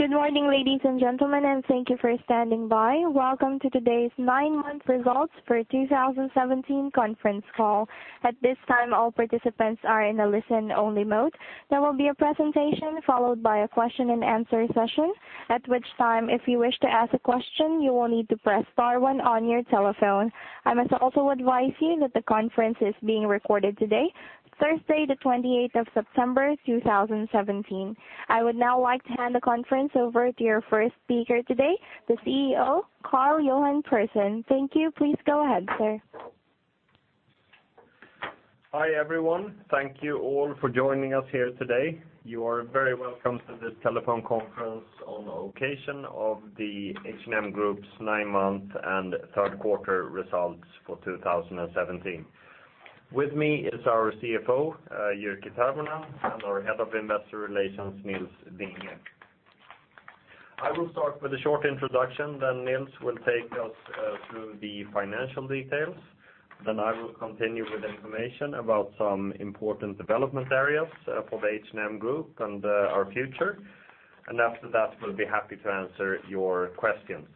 Good morning, ladies and gentlemen. Thank you for standing by. Welcome to today's nine-month results for our 2017 conference call. At this time, all participants are in a listen-only mode. There will be a presentation followed by a question and answer session, at which time, if you wish to ask a question, you will need to press star one on your telephone. I must also advise you that the conference is being recorded today, Thursday, September 28, 2017. I would now like to hand the conference over to your first speaker today, the CEO, Karl-Johan Persson. Thank you. Please go ahead, sir. Hi, everyone. Thank you all for joining us here today. You are very welcome to this telephone conference on the occasion of the H&M Group's nine-month and third quarter results for 2017. With me is our CFO, Jyrki Tervonen, and our Head of Investor Relations, Nils Vinge. I will start with a short introduction. Nils will take us through the financial details. I will continue with information about some important development areas for the H&M Group and our future. After that, we'll be happy to answer your questions.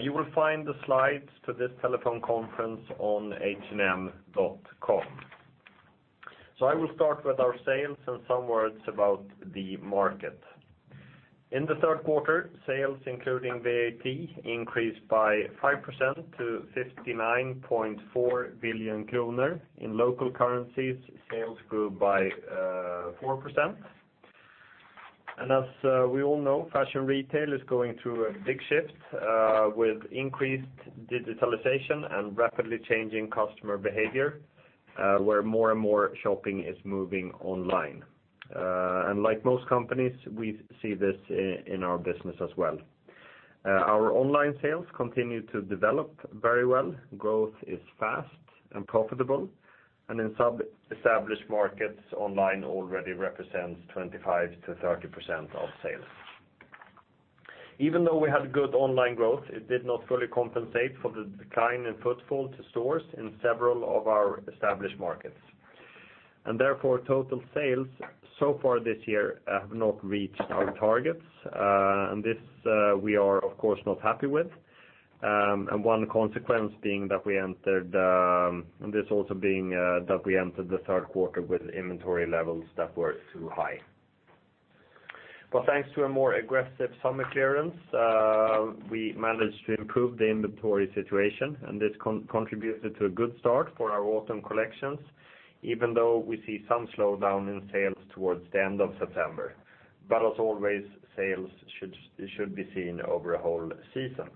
You will find the slides to this telephone conference on hm.com. I will start with our sales and some words about the market. In the third quarter, sales including VAT increased by 5% to 59.4 billion kronor. In local currencies, sales grew by 4%. As we all know, fashion retail is going through a big shift with increased digitalization and rapidly changing customer behavior, where more and more shopping is moving online. Like most companies, we see this in our business as well. Our online sales continue to develop very well. Growth is fast and profitable, in some established markets, online already represents 25%-30% of sales. Even though we had good online growth, it did not fully compensate for the decline in footfall to stores in several of our established markets. Therefore, total sales so far this year have not reached our targets. This we are, of course, not happy with. One consequence being that we entered the third quarter with inventory levels that were too high. Thanks to a more aggressive summer clearance, we managed to improve the inventory situation, and this contributed to a good start for our autumn collections, even though we see some slowdown in sales towards the end of September. As always, sales should be seen over a whole season.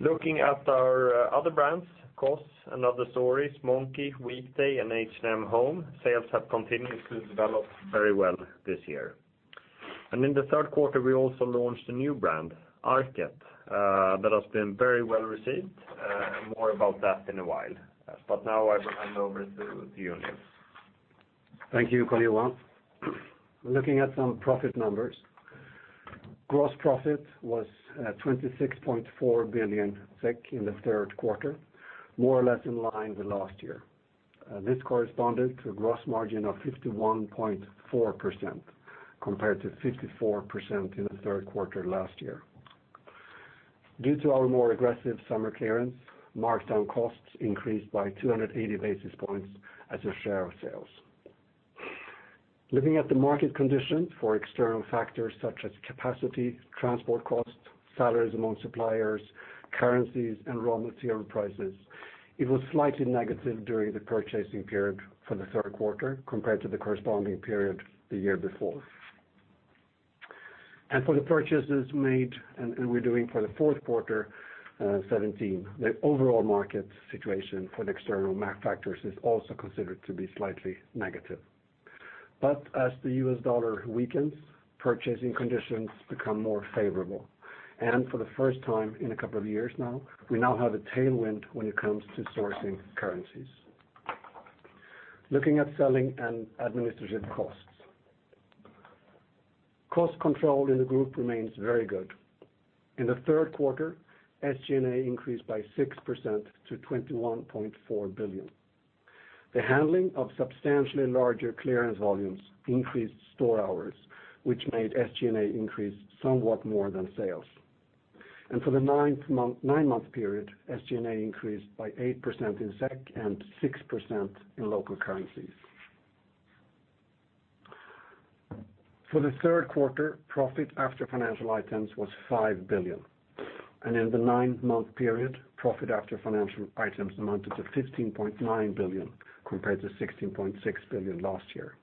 Looking at our other brands, COS, & Other Stories, Monki, Weekday, and H&M Home, sales have continued to develop very well this year. In the third quarter, we also launched a new brand, ARKET, that has been very well-received. More about that in a while. Now I will hand over to you, Nils. Thank you, Karl-Johan. Looking at some profit numbers. Gross profit was 26.4 billion in the third quarter, more or less in line with last year. This corresponded to a gross margin of 51.4%, compared to 54% in the third quarter last year. Due to our more aggressive summer clearance, markdown costs increased by 280 basis points as a share of sales. Looking at the market conditions for external factors such as capacity, transport costs, salaries among suppliers, currencies, and raw material prices, it was slightly negative during the purchasing period for the third quarter compared to the corresponding period the year before. For the purchases made, and we're doing for the fourth quarter 2017, the overall market situation for the external factors is also considered to be slightly negative. As the US dollar weakens, purchasing conditions become more favorable. For the first time in a couple of years now, we now have a tailwind when it comes to sourcing currencies. Looking at selling and administrative costs. Cost control in the group remains very good. In the third quarter, SG&A increased by 6% to 21.4 billion. The handling of substantially larger clearance volumes increased store hours, which made SG&A increase somewhat more than sales. For the nine-month period, SG&A increased by 8% in SEK and 6% in local currencies. For the third quarter, profit after financial items was 5 billion. In the nine-month period, profit after financial items amounted to 15.9 billion, compared to 16.6 billion last year.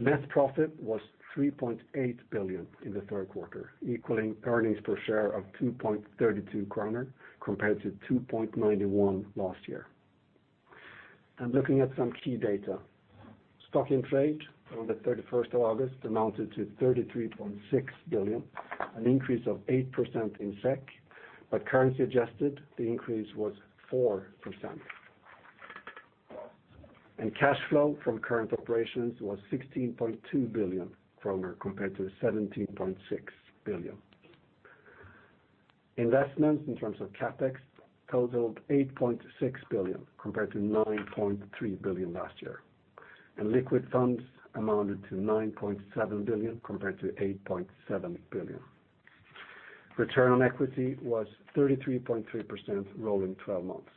Net profit was 3.8 billion in the third quarter, equaling earnings per share of 2.32 kronor, compared to 2.91 last year. Looking at some key data. Stock in trade on the 31st of August amounted to 33.6 billion, an increase of 8% in SEK, but currency adjusted, the increase was 4%. Cash flow from current operations was 16.2 billion kronor compared to 17.6 billion. Investments in terms of CapEx totaled 8.6 billion compared to 9.3 billion last year, and liquid funds amounted to 9.7 billion compared to 8.7 billion. Return on equity was 33.3% rolling 12 months.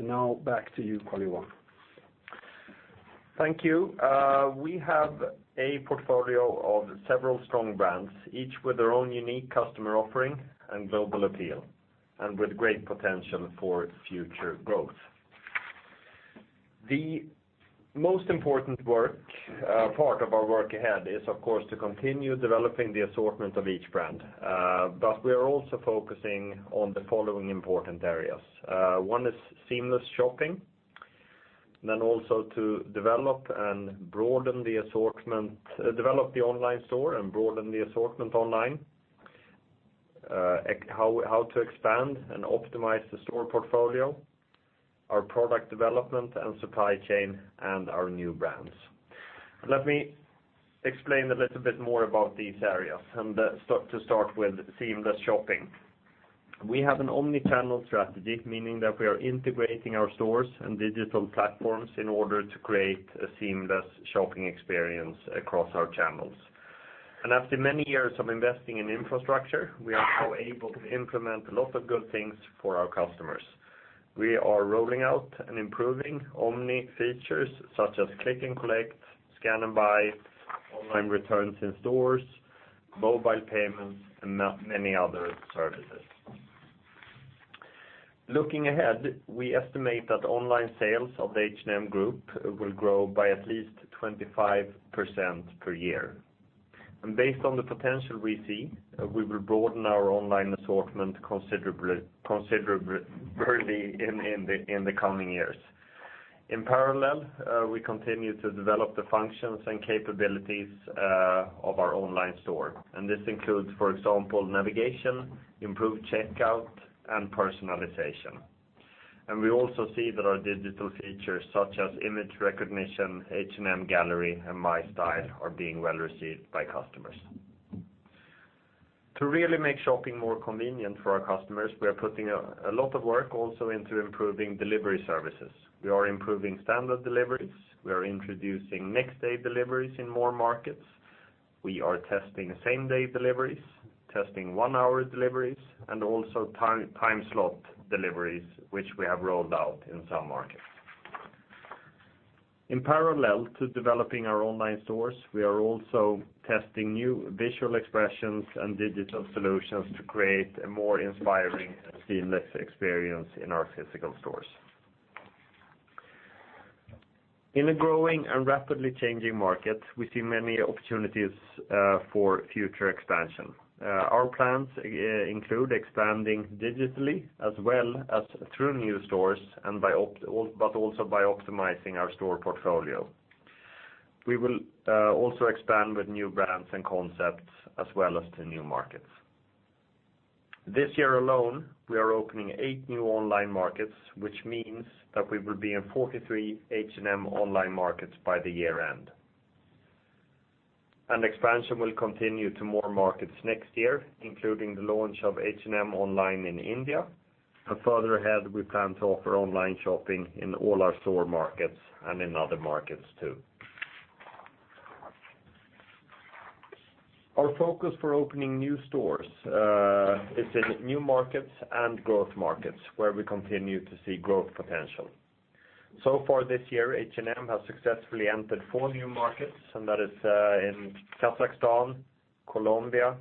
Now back to you, Karl-Johan. Thank you. We have a portfolio of several strong brands, each with their own unique customer offering and global appeal and with great potential for future growth. The most important part of our work ahead is, of course, to continue developing the assortment of each brand. We are also focusing on the following important areas. One is seamless shopping, also to develop the online store and broaden the assortment online, how to expand and optimize the store portfolio, our product development and supply chain, and our new brands. Let me explain a little bit more about these areas and to start with seamless shopping. We have an omni-channel strategy, meaning that we are integrating our stores and digital platforms in order to create a seamless shopping experience across our channels. After many years of investing in infrastructure, we are now able to implement a lot of good things for our customers. We are rolling out and improving omni features such as click and collect, scan and buy, online returns in stores, mobile payments, and many other services. Looking ahead, we estimate that online sales of the H&M Group will grow by at least 25% per year. Based on the potential we see, we will broaden our online assortment considerably in the coming years. In parallel, we continue to develop the functions and capabilities of our online store, and this includes, for example, navigation, improved checkout, and personalization. We also see that our digital features such as image recognition, H&M Gallery, and My Style are being well-received by customers. To really make shopping more convenient for our customers, we are putting a lot of work also into improving delivery services. We are improving standard deliveries. We are introducing next-day deliveries in more markets. We are testing same-day deliveries, testing one-hour deliveries, and also time slot deliveries, which we have rolled out in some markets. In parallel to developing our online stores, we are also testing new visual expressions and digital solutions to create a more inspiring and seamless experience in our physical stores. In a growing and rapidly changing market, we see many opportunities for future expansion. Our plans include expanding digitally as well as through new stores but also by optimizing our store portfolio. We will also expand with new brands and concepts as well as to new markets. This year alone, we are opening eight new online markets, which means that we will be in 43 H&M online markets by the year-end. Expansion will continue to more markets next year, including the launch of H&M online in India. Further ahead, we plan to offer online shopping in all our store markets and in other markets too. Our focus for opening new stores is in new markets and growth markets where we continue to see growth potential. So far this year, H&M has successfully entered four new markets, and that is in Kazakhstan, Colombia,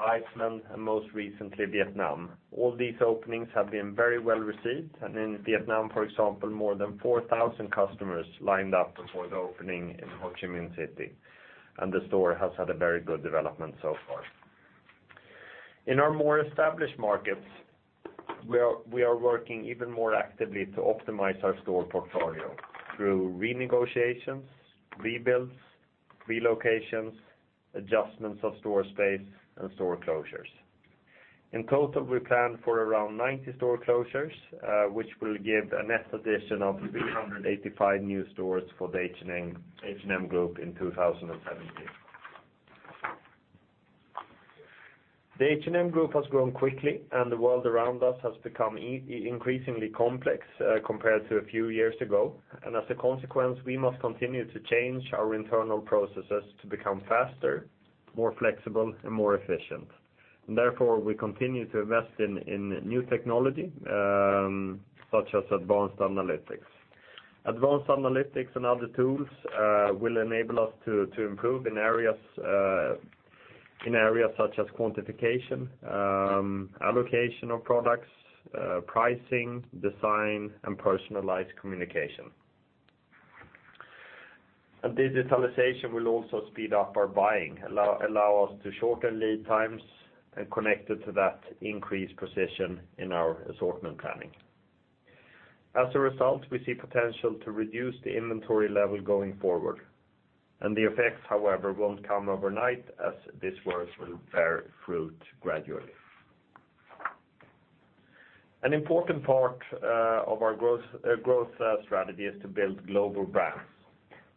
Iceland, and most recently, Vietnam. All these openings have been very well-received, and in Vietnam, for example, more than 4,000 customers lined up for the opening in Ho Chi Minh City, and the store has had a very good development so far. In our more established markets, we are working even more actively to optimize our store portfolio through renegotiations, rebuilds, relocations, adjustments of store space, and store closures. In total, we plan for around 90 store closures, which will give a net addition of 385 new stores for the H&M Group in 2017. The H&M Group has grown quickly, and the world around us has become increasingly complex compared to a few years ago. As a consequence, we must continue to change our internal processes to become faster, more flexible, and more efficient. Therefore, we continue to invest in new technology, such as advanced analytics. Advanced analytics and other tools will enable us to improve in areas such as quantification, allocation of products, pricing, design, and personalized communication. Digitalization will also speed up our buying, allow us to shorten lead times, and connected to that increased precision in our assortment planning. As a result, we see potential to reduce the inventory level going forward. The effects, however, won't come overnight as this work will bear fruit gradually. An important part of our growth strategy is to build global brands.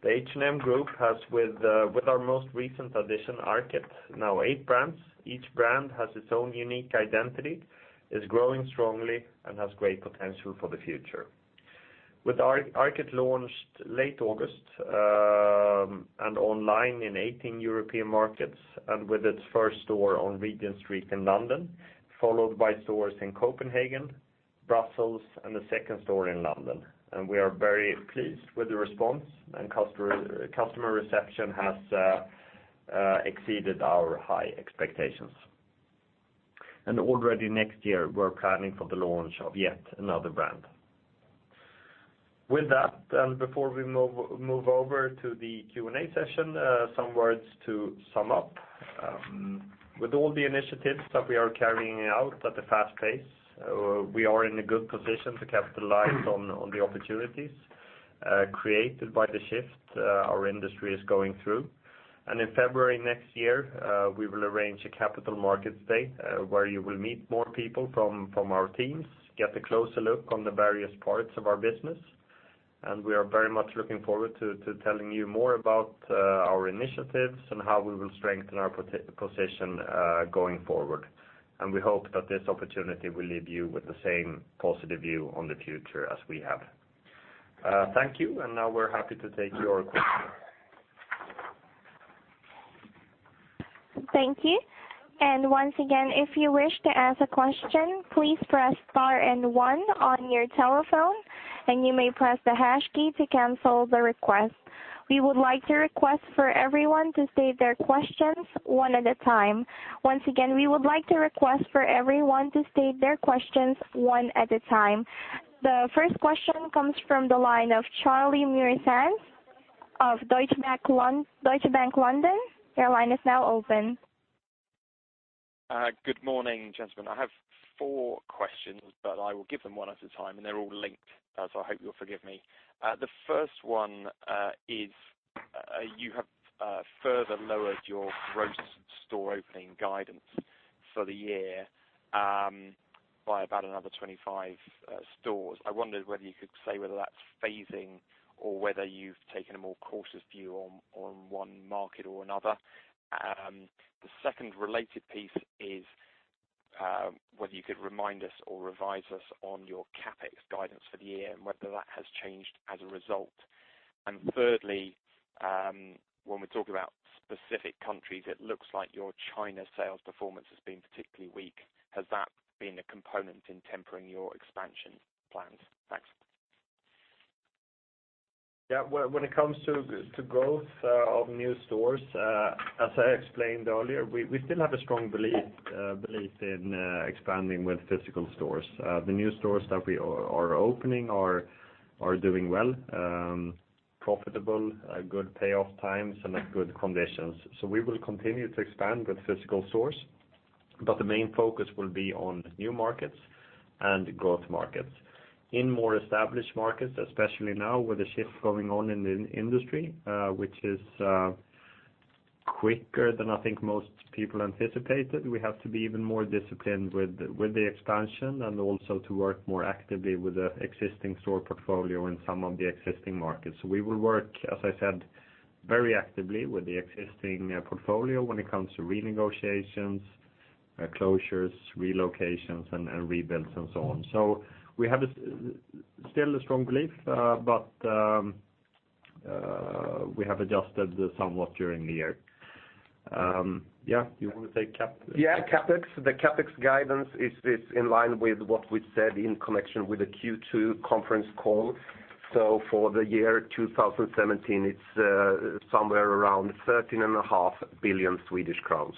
The H&M Group has, with our most recent addition, ARKET, now eight brands. Each brand has its own unique identity, is growing strongly, and has great potential for the future. With ARKET launched late August, online in 18 European markets, and with its first store on Regent Street in London, followed by stores in Copenhagen, Brussels, and the second store in London. We are very pleased with the response, and customer reception has exceeded our high expectations. Already next year, we're planning for the launch of yet another brand. With that, before we move over to the Q&A session, some words to sum up. With all the initiatives that we are carrying out at the fast pace, we are in a good position to capitalize on the opportunities created by the shift our industry is going through. In February next year, we will arrange a Capital Markets Day, where you will meet more people from our teams, get a closer look on the various parts of our business. We are very much looking forward to telling you more about our initiatives and how we will strengthen our position going forward. We hope that this opportunity will leave you with the same positive view on the future as we have. Thank you. Now we're happy to take your questions. Thank you. Once again, if you wish to ask a question, please press star and one on your telephone, and you may press the hash key to cancel the request. We would like to request for everyone to state their questions one at a time. Once again, we would like to request for everyone to state their questions one at a time. The first question comes from the line of Charles Maynes of Deutsche Bank, London. Your line is now open. Good morning, gentlemen. I have four questions, I will give them one at a time, They're all linked, so I hope you'll forgive me. The first one is, you have further lowered your gross store opening guidance for the year by about another 25 stores. I wondered whether you could say whether that's phasing or whether you've taken a more cautious view on one market or another. The second related piece is whether you could remind us or revise us on your CapEx guidance for the year and whether that has changed as a result. Thirdly, when we talk about specific countries, it looks like your China sales performance has been particularly weak. Has that been a component in tempering your expansion plans? Thanks. When it comes to growth of new stores, as I explained earlier, we still have a strong belief in expanding with physical stores. The new stores that we are opening are doing well, profitable, good payoff times, and at good conditions. We will continue to expand with physical stores, but the main focus will be on new markets and growth markets. In more established markets, especially now with the shift going on in the industry, which is quicker than I think most people anticipated, we have to be even more disciplined with the expansion and also to work more actively with the existing store portfolio in some of the existing markets. We will work, as I said, very actively with the existing portfolio when it comes to renegotiations, closures, relocations, and rebuilds and so on. We have still a strong belief. We have adjusted somewhat during the year. You want to say CapEx? CapEx. The CapEx guidance is in line with what we said in connection with the Q2 conference call. For the year 2017, it's somewhere around 13.5 billion Swedish crowns.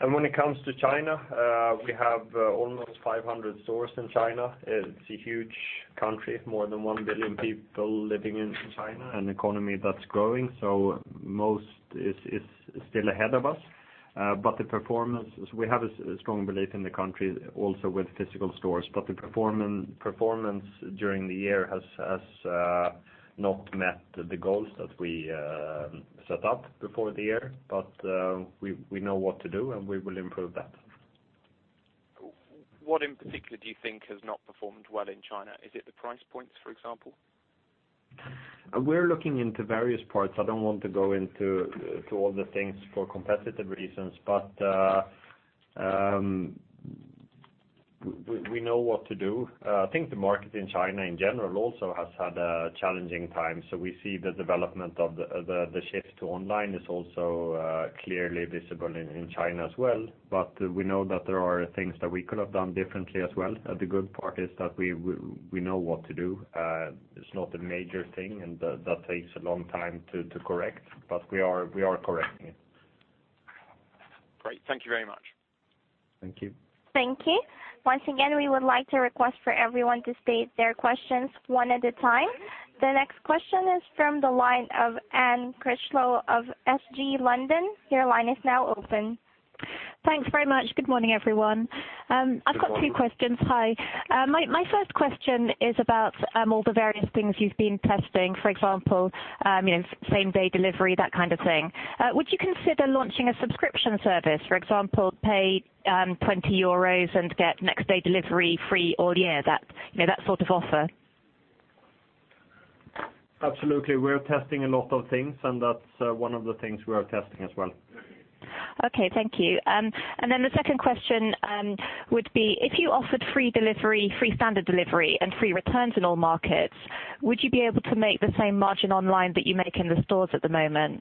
When it comes to China, we have almost 500 stores in China. It's a huge country, more than 1 billion people living in China, an economy that's growing. Most is still ahead of us. The performance, we have a strong belief in the country also with physical stores. The performance during the year has not met the goals that we set up before the year. We know what to do, and we will improve that. What in particular do you think has not performed well in China? Is it the price points, for example? We're looking into various parts. I don't want to go into all the things for competitive reasons, but we know what to do. I think the market in China in general also has had a challenging time. We see the development of the shift to online is also clearly visible in China as well. We know that there are things that we could have done differently as well. The good part is that we know what to do. It's not a major thing, and that takes a long time to correct, but we are correcting it. Great. Thank you very much. Thank you. Thank you. Once again, we would like to request for everyone to state their questions one at a time. The next question is from the line of Anne Critchlow of SG London. Your line is now open. Thanks very much. Good morning, everyone. Good morning. I've got two questions. Hi. My first question is about all the various things you've been testing, for example, same-day delivery, that kind of thing. Would you consider launching a subscription service? For example, pay 20 euros and get next-day delivery free all year, that sort of offer? Absolutely. We're testing a lot of things, and that's one of the things we are testing as well. Okay, thank you. The second question would be: if you offered free standard delivery and free returns in all markets, would you be able to make the same margin online that you make in the stores at the moment?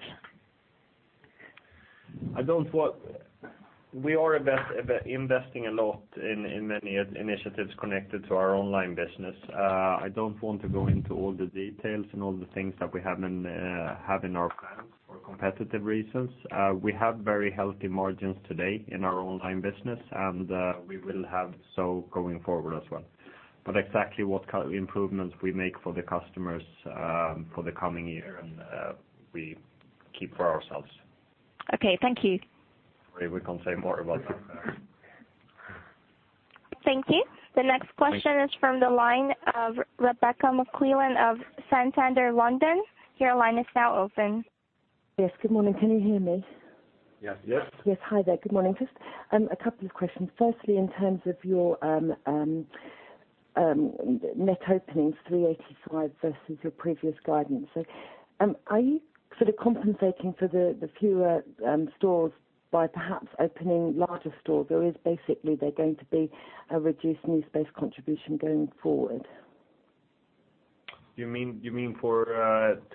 We are investing a lot in many initiatives connected to our online business. I don't want to go into all the details and all the things that we have in our plans for competitive reasons. We have very healthy margins today in our online business, and we will have so going forward as well. Exactly what kind of improvements we make for the customers for the coming year, we keep for ourselves. Okay, thank you. Sorry, we can't say more about that. Thank you. The next question is from the line of Rebecca McClellan of Santander London. Your line is now open. Yes. Good morning. Can you hear me? Yes. Yes. Hi there. Good morning. Just a couple of questions. Firstly, in terms of your net openings, 385 versus your previous guidance. Are you sort of compensating for the fewer stores by perhaps opening larger stores? Is basically there going to be a reduced new space contribution going forward? You mean for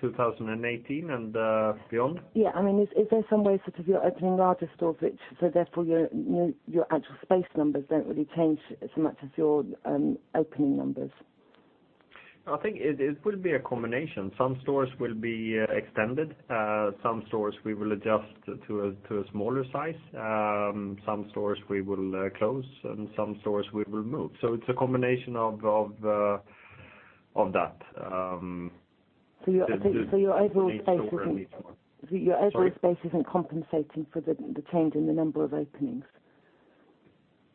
2018 and beyond? Yeah. Is there some way, sort of you're opening larger stores, therefore your actual space numbers don't really change as much as your opening numbers? I think it will be a combination. Some stores will be extended. Some stores we will adjust to a smaller size. Some stores we will close and some stores we will move. It's a combination of that. Your overall space- Sorry? Your overall space isn't compensating for the change in the number of openings?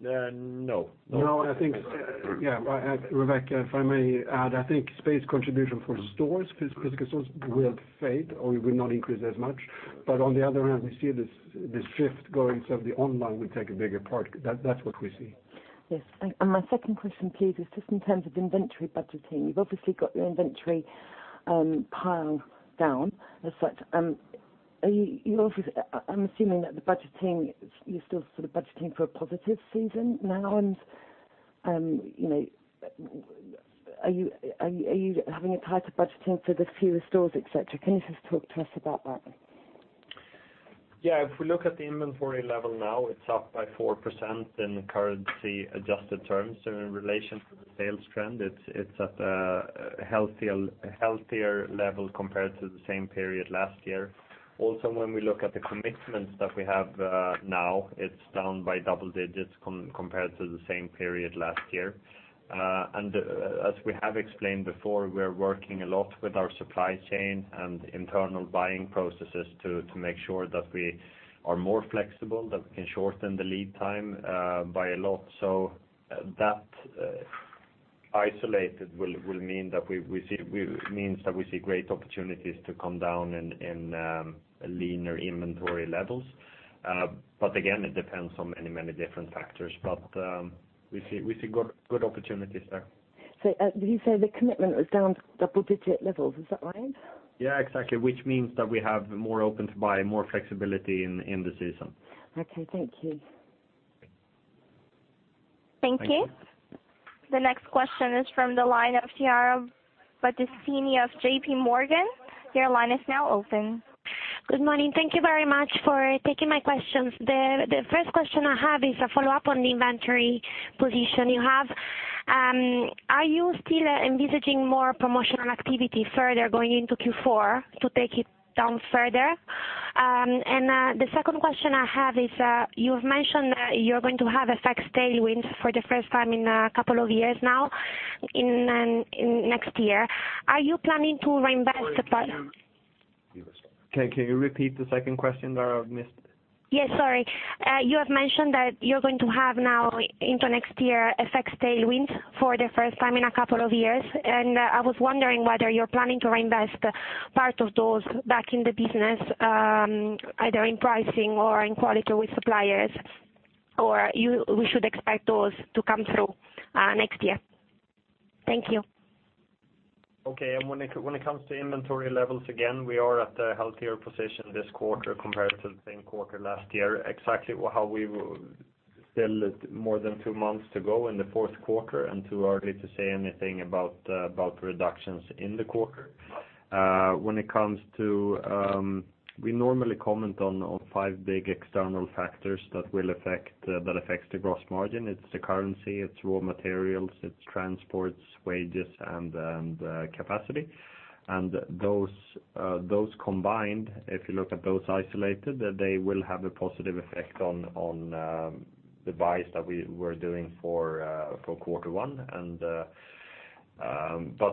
No. I think, Rebecca, if I may add, I think space contribution for stores, physical stores, will fade or will not increase as much. On the other hand, we see this shift going, the online will take a bigger part. That's what we see. Yes. My second question please is just in terms of inventory budgeting. You've obviously got your inventory pile down as such. I'm assuming that the budgeting, you're still sort of budgeting for a positive season now and are you having a tighter budgeting for the fewer stores, et cetera? Can you just talk to us about that? If we look at the inventory level now, it's up by 4% in currency-adjusted terms in relation to the sales trend. It's at a healthier level compared to the same period last year. Also, when we look at the commitments that we have now, it's down by double digits compared to the same period last year. As we have explained before, we're working a lot with our supply chain and internal buying processes to make sure that we are more flexible, that we can shorten the lead time by a lot. That isolated will mean that we see great opportunities to come down in leaner inventory levels. Again, it depends on many different factors. We see good opportunities there. Did you say the commitment was down to double-digit levels? Is that right? Yeah, exactly. Which means that we have more Open-to-Buy, more flexibility in the season. Okay, thank you. Thank you. The next question is from the line of Chiara Battistini of J.P. Morgan. Your line is now open. Good morning. Thank you very much for taking my questions. The first question I have is a follow-up on the inventory position you have. Are you still envisaging more promotional activity further going into Q4 to take it down further? The second question I have is, you've mentioned that you're going to have a FX tailwind for the first time in a couple of years now next year. Are you planning to reinvest the- Can you repeat the second question, Chiara? I missed it. Yes, sorry. You have mentioned that you're going to have now into next year FX tailwind for the first time in a couple of years. I was wondering whether you're planning to reinvest part of those back in the business, either in pricing or in quality with suppliers, or we should expect those to come through next year. Thank you. Okay. When it comes to inventory levels, again, we are at a healthier position this quarter compared to the same quarter last year. Still more than two months to go in the fourth quarter and too early to say anything about reductions in the quarter. We normally comment on five big external factors that affects the gross margin. It's the currency, it's raw materials, it's transports, wages, and capacity. Those combined, if you look at those isolated, they will have a positive effect on the buys that we were doing for quarter one.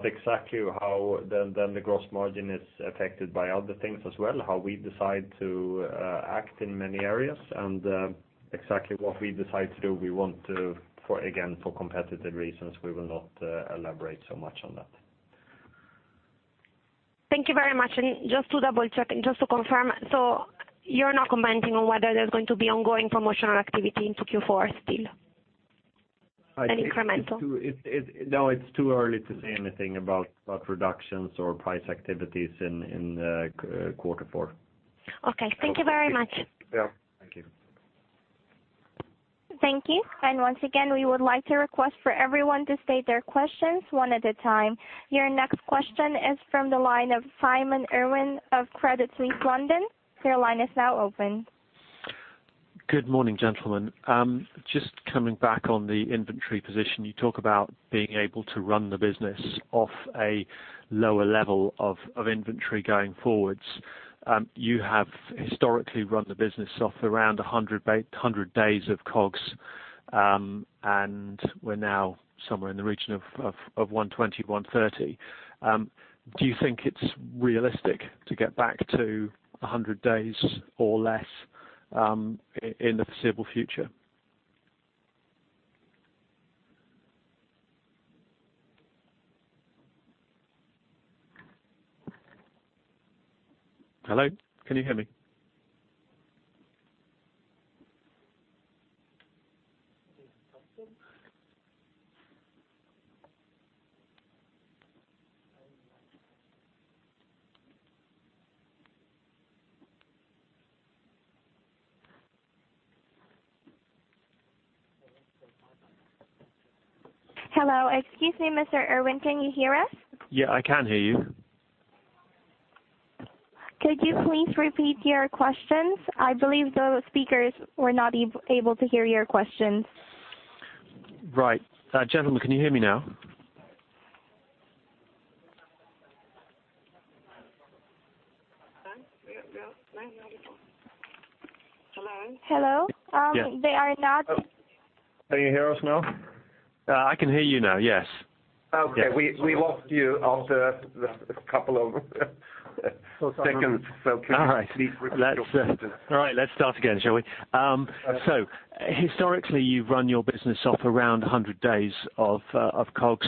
Exactly how then the gross margin is affected by other things as well, how we decide to act in many areas and exactly what we decide to do, again, for competitive reasons, we will not elaborate so much on that. Thank you very much. Just to double-check and just to confirm, you're not commenting on whether there's going to be ongoing promotional activity into Q4 still? Incremental? No, it's too early to say anything about reductions or price activities in quarter four. Okay. Thank you very much. Yeah. Thank you. Thank you. Once again, we would like to request for everyone to state their questions one at a time. Your next question is from the line of Simon Irwin of Credit Suisse London. Your line is now open. Good morning, gentlemen. Just coming back on the inventory position, you talk about being able to run the business off a lower level of inventory going forwards. You have historically run the business off around 100 days of COGS, we're now somewhere in the region of 120, 130. Do you think it's realistic to get back to 100 days or less in the foreseeable future? Hello? Can you hear me? Hello. Excuse me, Mr. Irwin, can you hear us? Yeah, I can hear you. Could you please repeat your questions? I believe the speakers were not able to hear your questions. Right. Gentlemen, can you hear me now? Hello? Hello. Yeah. They are not- Can you hear us now? I can hear you now, yes. Okay. We lost you after the couple of seconds, can you please repeat your question. All right. Let's start again, shall we? Historically, you've run your business off around 100 days of COGS.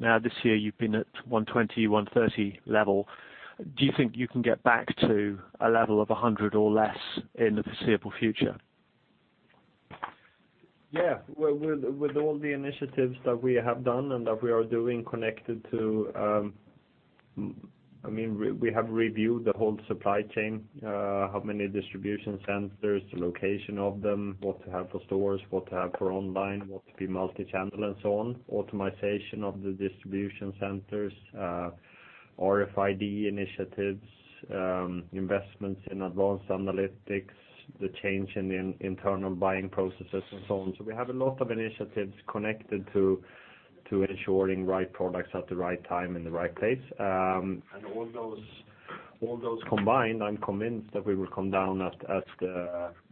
Now this year, you've been at 120, 130 level. Do you think you can get back to a level of 100 or less in the foreseeable future? Yeah. With all the initiatives that we have done and that we are doing. We have reviewed the whole supply chain, how many distribution centers, the location of them, what to have for stores, what to have for online, what to be multi-channel and so on. Automation of the distribution centers, RFID initiatives, investments in advanced analytics, the change in internal buying processes and so on. We have a lot of initiatives connected to ensuring right products at the right time in the right place. All those combined, I'm convinced that we will come down at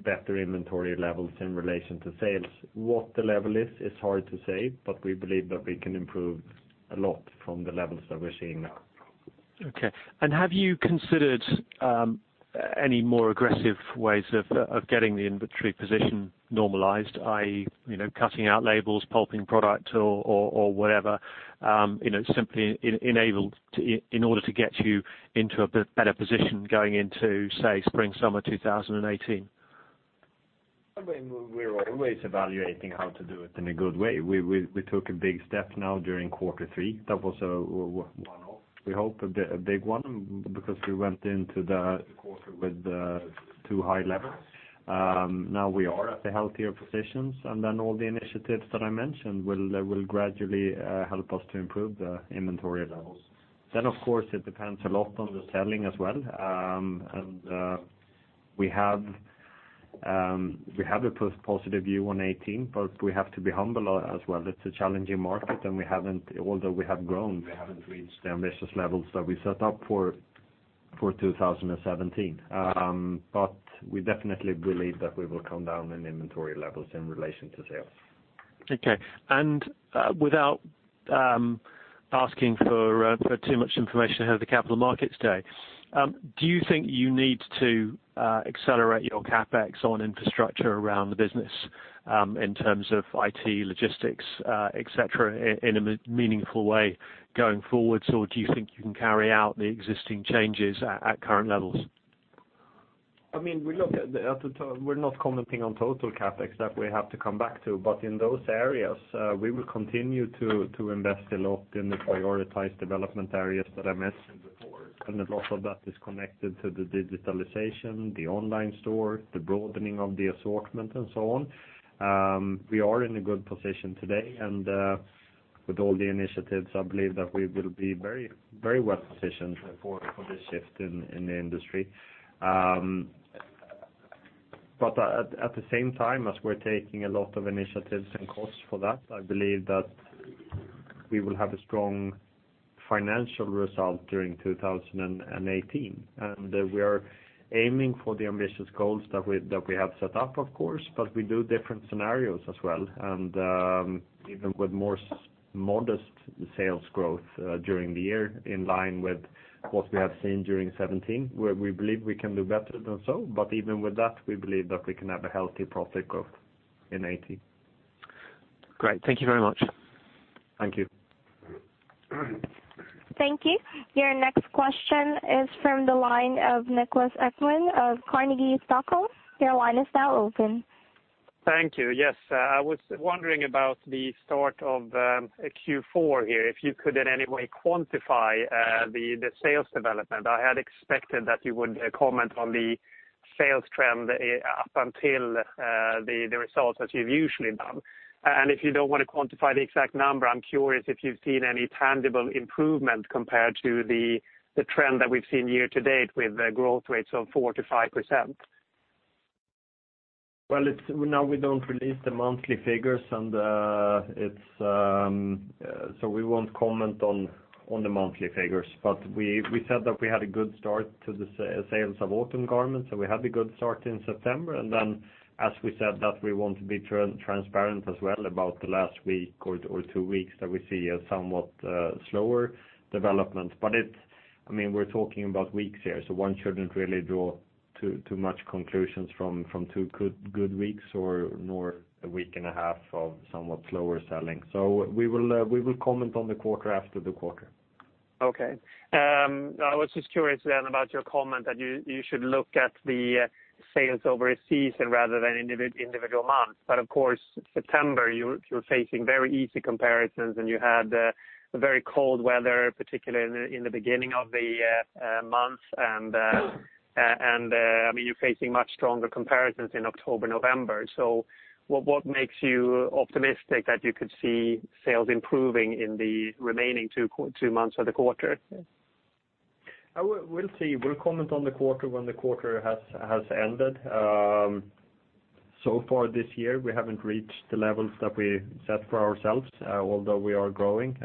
better inventory levels in relation to sales. What the level is hard to say, but we believe that we can improve a lot from the levels that we're seeing now. Okay. Have you considered any more aggressive ways of getting the inventory position normalized, i.e., cutting out labels, pulping product or whatever, simply in order to get you into a better position going into, say, spring, summer 2018? We're always evaluating how to do it in a good way. We took a big step now during quarter three. That was a one-off. We hope a big one because we went into the quarter with too high levels. Now we are at the healthier positions, all the initiatives that I mentioned will gradually help us to improve the inventory levels. Of course, it depends a lot on the selling as well. We have a positive view on 2018, but we have to be humble as well. It's a challenging market, although we have grown, we haven't reached the ambitious levels that we set up for 2017. We definitely believe that we will come down in inventory levels in relation to sales. Okay. Without asking for too much information ahead of the Capital Markets Day, do you think you need to accelerate your CapEx on infrastructure around the business in terms of IT, logistics, et cetera, in a meaningful way going forward? Or do you think you can carry out the existing changes at current levels? We're not commenting on total CapEx that we have to come back to. In those areas, we will continue to invest a lot in the prioritized development areas that I mentioned before. A lot of that is connected to the digitalization, the online store, the broadening of the assortment and so on. We are in a good position today, with all the initiatives, I believe that we will be very well positioned for the shift in the industry. At the same time, as we're taking a lot of initiatives and costs for that, I believe that we will have a strong financial result during 2018. We are aiming for the ambitious goals that we have set up, of course, but we do different scenarios as well. Even with more modest sales growth during the year, in line with what we have seen during 2017, where we believe we can do better than so. Even with that, we believe that we can have a healthy profit growth in 2018. Great. Thank you very much. Thank you. Thank you. Your next question is from the line of Niklas Ekman of Carnegie Stockholm. Your line is now open. Thank you. Yes. I was wondering about the start of Q4 here. If you could, in any way, quantify the sales development. I had expected that you would comment on the sales trend up until the results, as you've usually done. If you don't want to quantify the exact number, I'm curious if you've seen any tangible improvement compared to the trend that we've seen year to date with growth rates of 4%-5%. Well, now we don't release the monthly figures, so we won't comment on the monthly figures. We said that we had a good start to the sales of autumn garments, and we had a good start in September. As we said, that we want to be transparent as well about the last week or two weeks that we see a somewhat slower development. We're talking about weeks here, so one shouldn't really draw too much conclusions from two good weeks or nor a week and a half of somewhat slower selling. We will comment on the quarter after the quarter. Okay. I was just curious then about your comment that you should look at the sales over a season rather than individual months. Of course, September, you're facing very easy comparisons, and you had a very cold weather, particularly in the beginning of the month. You're facing much stronger comparisons in October, November. What makes you optimistic that you could see sales improving in the remaining two months of the quarter? We'll see. We'll comment on the quarter when the quarter has ended. So far this year, we haven't reached the levels that we set for ourselves, although we are growing.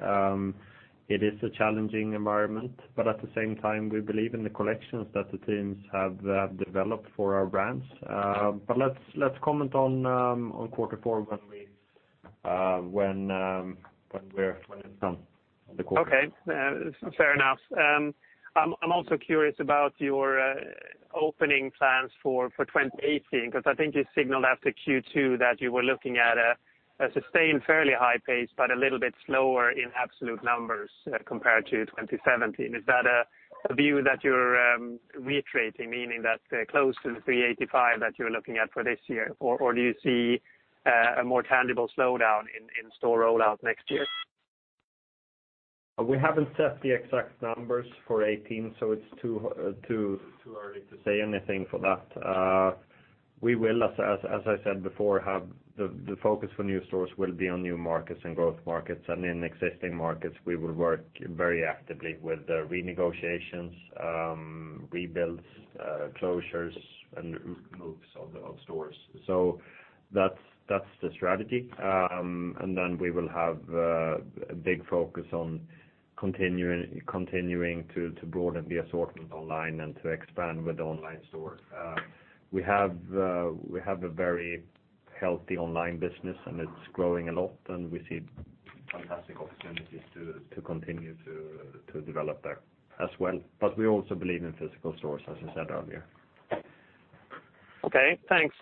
It is a challenging environment, but at the same time, we believe in the collections that the teams have developed for our brands. Let's comment on quarter four when it comes. Okay. Fair enough. I'm also curious about your opening plans for 2018, because I think you signaled after Q2 that you were looking at a sustained, fairly high pace, but a little bit slower in absolute numbers compared to 2017. Is that a view that you're reiterating, meaning that close to the 385 that you're looking at for this year, or do you see a more tangible slowdown in store rollout next year? We haven't set the exact numbers for 2018. It's too early to say anything for that. We will, as I said before, have the focus for new stores will be on new markets and growth markets, and in existing markets, we will work very actively with renegotiations, rebuilds, closures, and moves of stores. That's the strategy. We will have a big focus on continuing to broaden the assortment online and to expand with the online store. We have a very healthy online business, and it's growing a lot, and we see fantastic opportunities to continue to develop there as well. We also believe in physical stores, as I said earlier. Okay, thanks.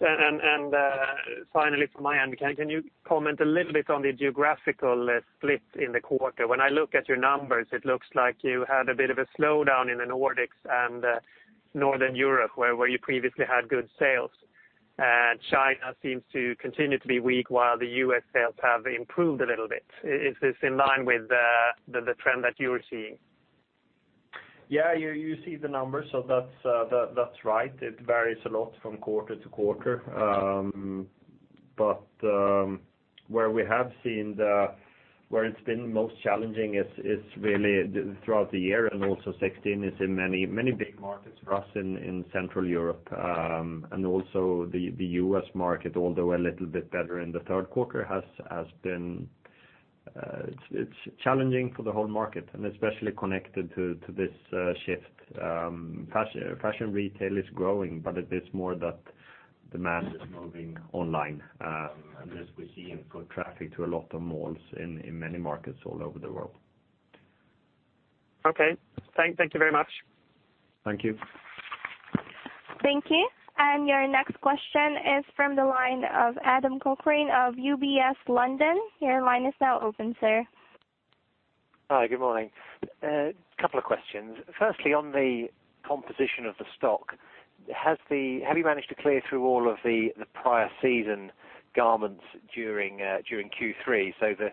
Finally from my end, can you comment a little bit on the geographical split in the quarter? When I look at your numbers, it looks like you had a bit of a slowdown in the Nordics and Northern Europe, where you previously had good sales. China seems to continue to be weak, while the U.S. sales have improved a little bit. Is this in line with the trend that you're seeing? Yeah, you see the numbers, so that's right. It varies a lot from quarter to quarter. Where it's been most challenging is really throughout the year and also 2016, is in many big markets for us in Central Europe. The U.S. market, although a little bit better in the third quarter, it's challenging for the whole market and especially connected to this shift. Fashion retail is growing, but it is more that demand is moving online, and as we see in foot traffic to a lot of malls in many markets all over the world. Okay. Thank you very much. Thank you. Thank you. Your next question is from the line of Adam Cochrane of UBS London. Your line is now open, sir. Hi, good morning. A couple of questions. Firstly, on the composition of the stock, have you managed to clear through all of the prior season garments during Q3? The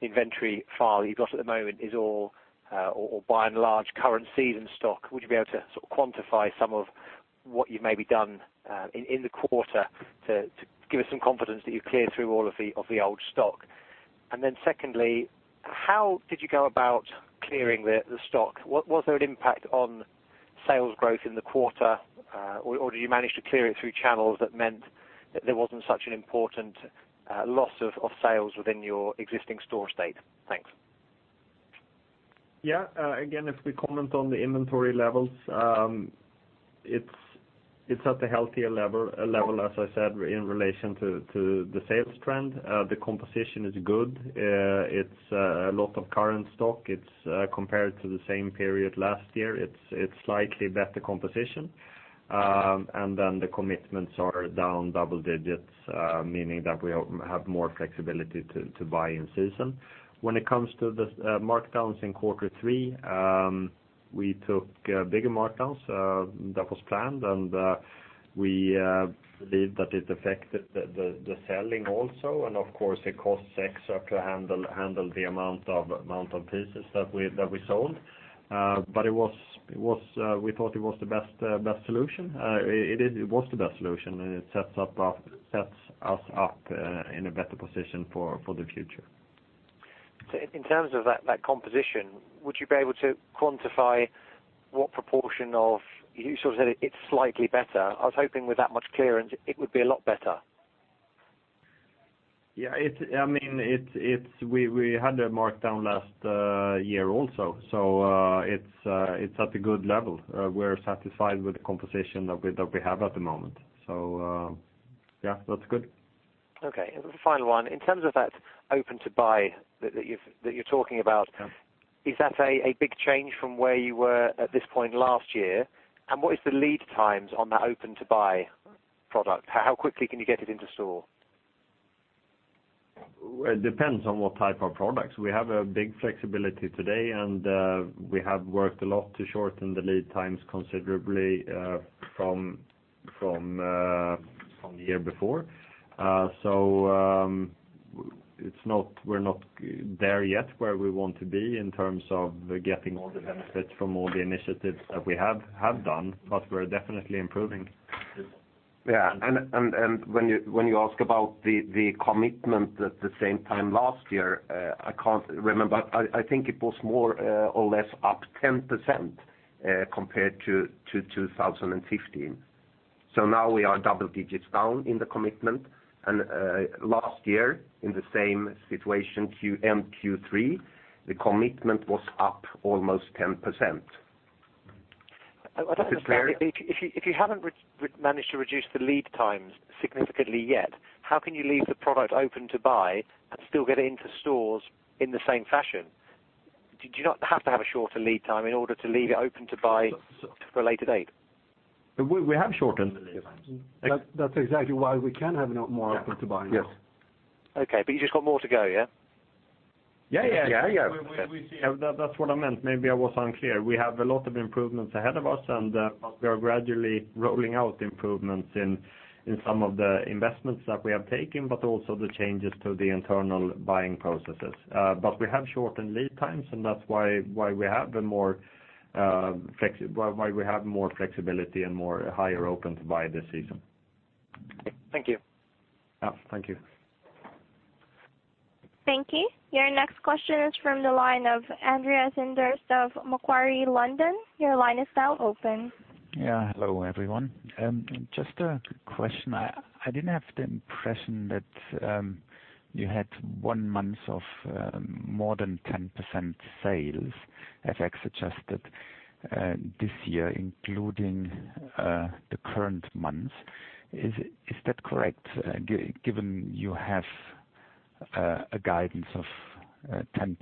inventory file you've got at the moment is all, or by and large, current season stock. Would you be able to quantify some of what you've maybe done in the quarter to give us some confidence that you've cleared through all of the old stock? Secondly, how did you go about clearing the stock? Was there an impact on sales growth in the quarter, or did you manage to clear it through channels that meant that there wasn't such an important loss of sales within your existing store estate? Thanks. Yeah. Again, if we comment on the inventory levels, It's at a healthier level, as I said, in relation to the sales trend. The composition is good. It's a lot of current stock. Compared to the same period last year, it's a slightly better composition. Then the commitments are down double digits, meaning that we have more flexibility to buy in season. When it comes to the markdowns in quarter three, we took bigger markdowns. That was planned, and we believe that it affected the selling also, and of course, it costs extra to handle the amount of pieces that we sold. We thought it was the best solution. It was the best solution, and it sets us up in a better position for the future. In terms of that composition, would you be able to quantify what proportion of You said it's slightly better. I was hoping with that much clearance, it would be a lot better. Yeah. We had a markdown last year also, so it's at a good level. We're satisfied with the composition that we have at the moment. Yeah, that's good. Okay. The final one, in terms of that Open-to-Buy that you're talking about. Yeah Is that a big change from where you were at this point last year? What is the lead times on that open-to-buy product? How quickly can you get it into store? It depends on what type of products. We have a big flexibility today, and we have worked a lot to shorten the lead times considerably from the year before. We're not there yet where we want to be in terms of getting all the benefits from all the initiatives that we have done, but we're definitely improving. Yeah, when you ask about the commitment at the same time last year, I can't remember. I think it was more or less up 10% compared to 2015. Now we are double digits down in the commitment, and last year in the same situation, end Q3, the commitment was up almost 10%. I don't understand. If you haven't managed to reduce the lead times significantly yet, how can you leave the product open-to-buy and still get it into stores in the same fashion? Do you not have to have a shorter lead time in order to leave it open-to-buy for a later date? We have shortened the lead times. That's exactly why we can have more Open-to-Buy now. Yes. Okay, you've just got more to go, yeah? Yeah. Yeah. That's what I meant. Maybe I was unclear. We have a lot of improvements ahead of us, but we are gradually rolling out improvements in some of the investments that we have taken, but also the changes to the internal buying processes. We have shortened lead times, and that's why we have more flexibility and more higher Open-to-Buy this season. Thank you. Yeah. Thank you. Thank you. Your next question is from the line of Andreas Inderst of Macquarie, London. Your line is now open. Yeah. Hello, everyone. Just a question. I didn't have the impression that you had one month of more than 10% sales FX adjusted this year, including the current month. Is that correct, given you have a guidance of 10%,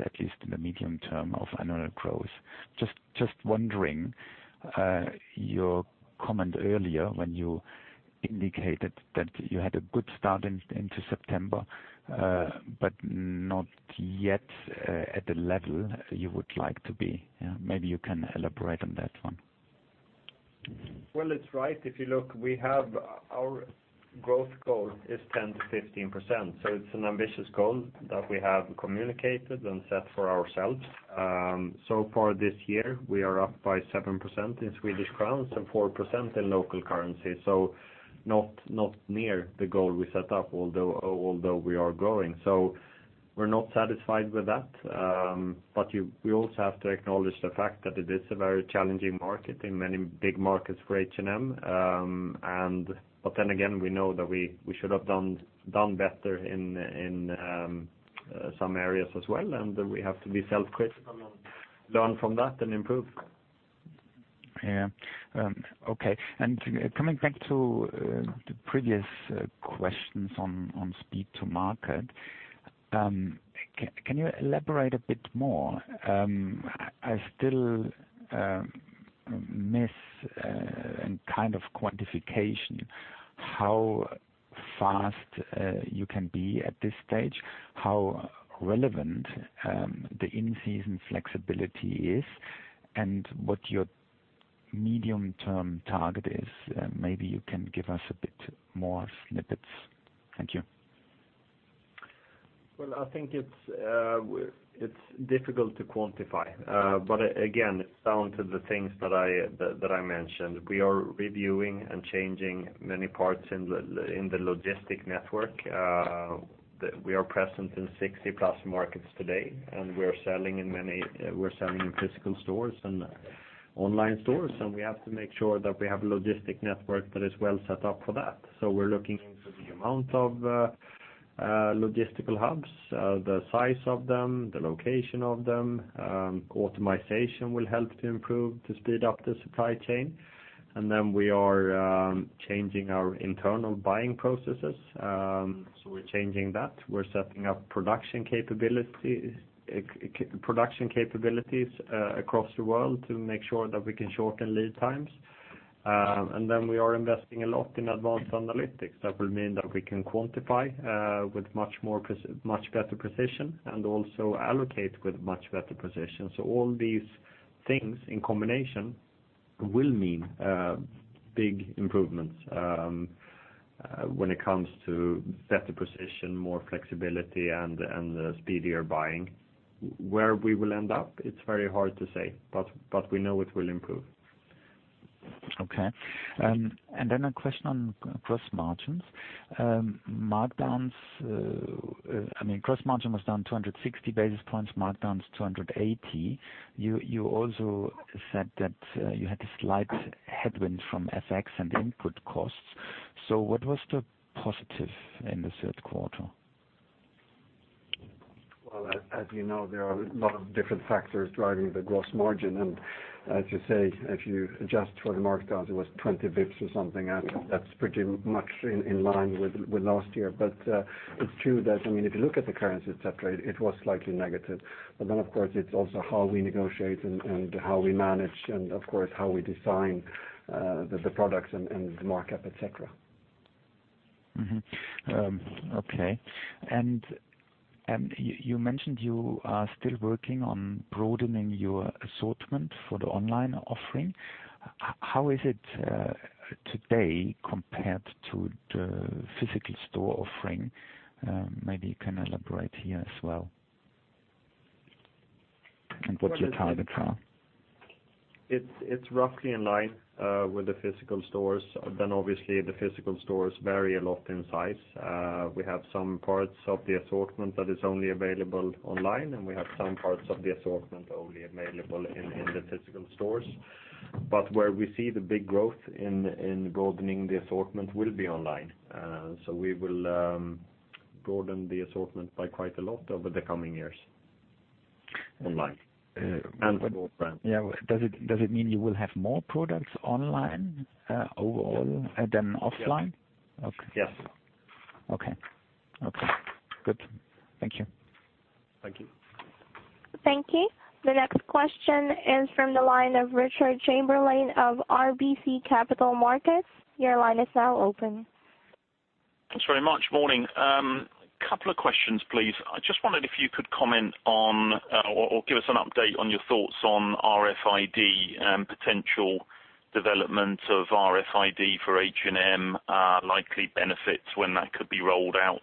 at least in the medium term, of annual growth? Just wondering, your comment earlier when you indicated that you had a good start into September, but not yet at the level you would like to be. Maybe you can elaborate on that one. Well, it's right. If you look, our growth goal is 10%-15%, it's an ambitious goal that we have communicated and set for ourselves. Far this year, we are up by 7% in SEK and 4% in local currency. Not near the goal we set up, although we are growing. We're not satisfied with that. We also have to acknowledge the fact that it is a very challenging market in many big markets for H&M. Again, we know that we should have done better in some areas as well, and we have to be self-critical and learn from that and improve. Yeah. Okay. Coming back to the previous questions on speed to market, can you elaborate a bit more? I still miss a kind of quantification, how fast you can be at this stage, how relevant the in-season flexibility is, and what your medium-term target is. Maybe you can give us a bit more snippets. Thank you. Well, I think it's difficult to quantify. Again, it's down to the things that I mentioned. We are reviewing and changing many parts in the logistic network. We are present in 60-plus markets today, we're selling in physical stores and online stores, and we have to make sure that we have a logistic network that is well set up for that. We're looking into the amount of logistical hubs, the size of them, the location of them, automation will help to improve to speed up the supply chain. We are changing our internal buying processes. We're changing that. We're setting up production capabilities across the world to make sure that we can shorten lead times. We are investing a lot in advanced analytics. That will mean that we can quantify with much better precision and also allocate with much better precision. All these things in combination will mean big improvements when it comes to better precision, more flexibility, and speedier buying. Where we will end up, it's very hard to say, but we know it will improve. Okay. A question on gross margins. Markdowns. Gross margin was down 260 basis points, markdowns 280. You also said that you had a slight headwind from FX and input costs. What was the positive in the third quarter? Well, as you know, there are a lot of different factors driving the gross margin. As you say, if you adjust for the markdowns, it was 20 basis points or something, and that's pretty much in line with last year. It's true that, if you look at the currency et cetera, it was slightly negative. Of course, it's also how we negotiate and how we manage and, of course, how we design the products and the markup, et cetera. Okay. You mentioned you are still working on broadening your assortment for the online offering. How is it today compared to the physical store offering? Maybe you can elaborate here as well. What your targets are. It's roughly in line with the physical stores. Obviously the physical stores vary a lot in size. We have some parts of the assortment that is only available online, and we have some parts of the assortment only available in the physical stores. Where we see the big growth in broadening the assortment will be online. We will broaden the assortment by quite a lot over the coming years online and for brand. Yeah. Does it mean you will have more products online overall than offline? Yes. Okay. Good. Thank you. Thank you. Thank you. The next question is from the line of Richard Chamberlain of RBC Capital Markets. Your line is now open. Thanks very much. Morning. Couple of questions, please. I just wondered if you could comment on, or give us an update on your thoughts on RFID and potential development of RFID for H&M, likely benefits when that could be rolled out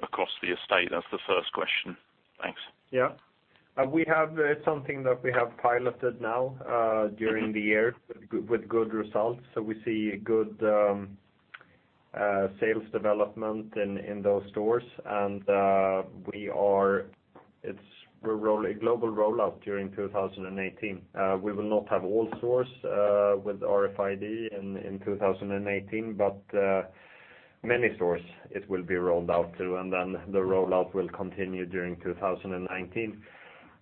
across the estate. That's the first question. Thanks. Yeah. We have something that we have piloted now during the year with good results. We see good sales development in those stores. It's a global rollout during 2018. We will not have all stores with RFID in 2018, but many stores it will be rolled out to, then the rollout will continue during 2019.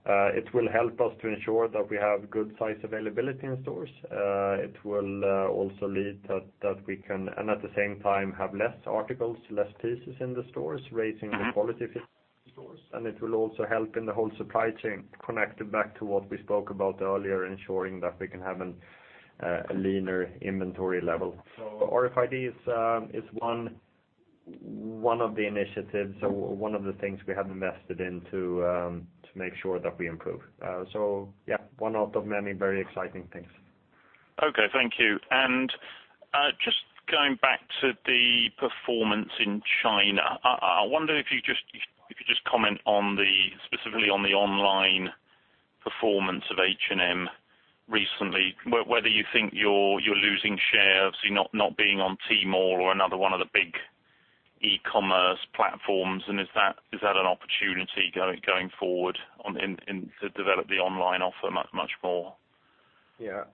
It will help us to ensure that we have good size availability in stores. It will also lead that we can, and at the same time, have less articles, less pieces in the stores, raising the quality stores. It will also help in the whole supply chain, connecting back to what we spoke about earlier, ensuring that we can have a leaner inventory level. RFID is one of the initiatives or one of the things we have invested in to make sure that we improve. Yeah, one of the many very exciting things. Okay, thank you. Just going back to the performance in China, I wonder if you could just comment specifically on the online performance of H&M recently, whether you think you're losing shares, you're not being on Tmall or another one of the big e-commerce platforms, and is that an opportunity going forward to develop the online offer much more? Yeah.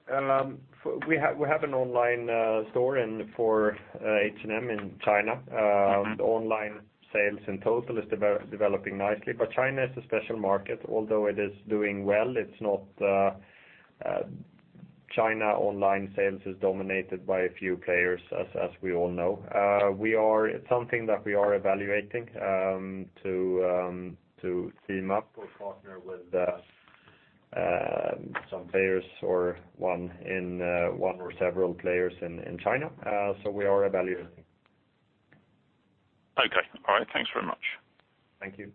We have an online store for H&M in China. Online sales in total is developing nicely. China is a special market. Although it is doing well, China online sales is dominated by a few players, as we all know. It is something that we are evaluating to team up or partner with some players or one or several players in China. We are evaluating. Okay. All right. Thanks very much. Thank you.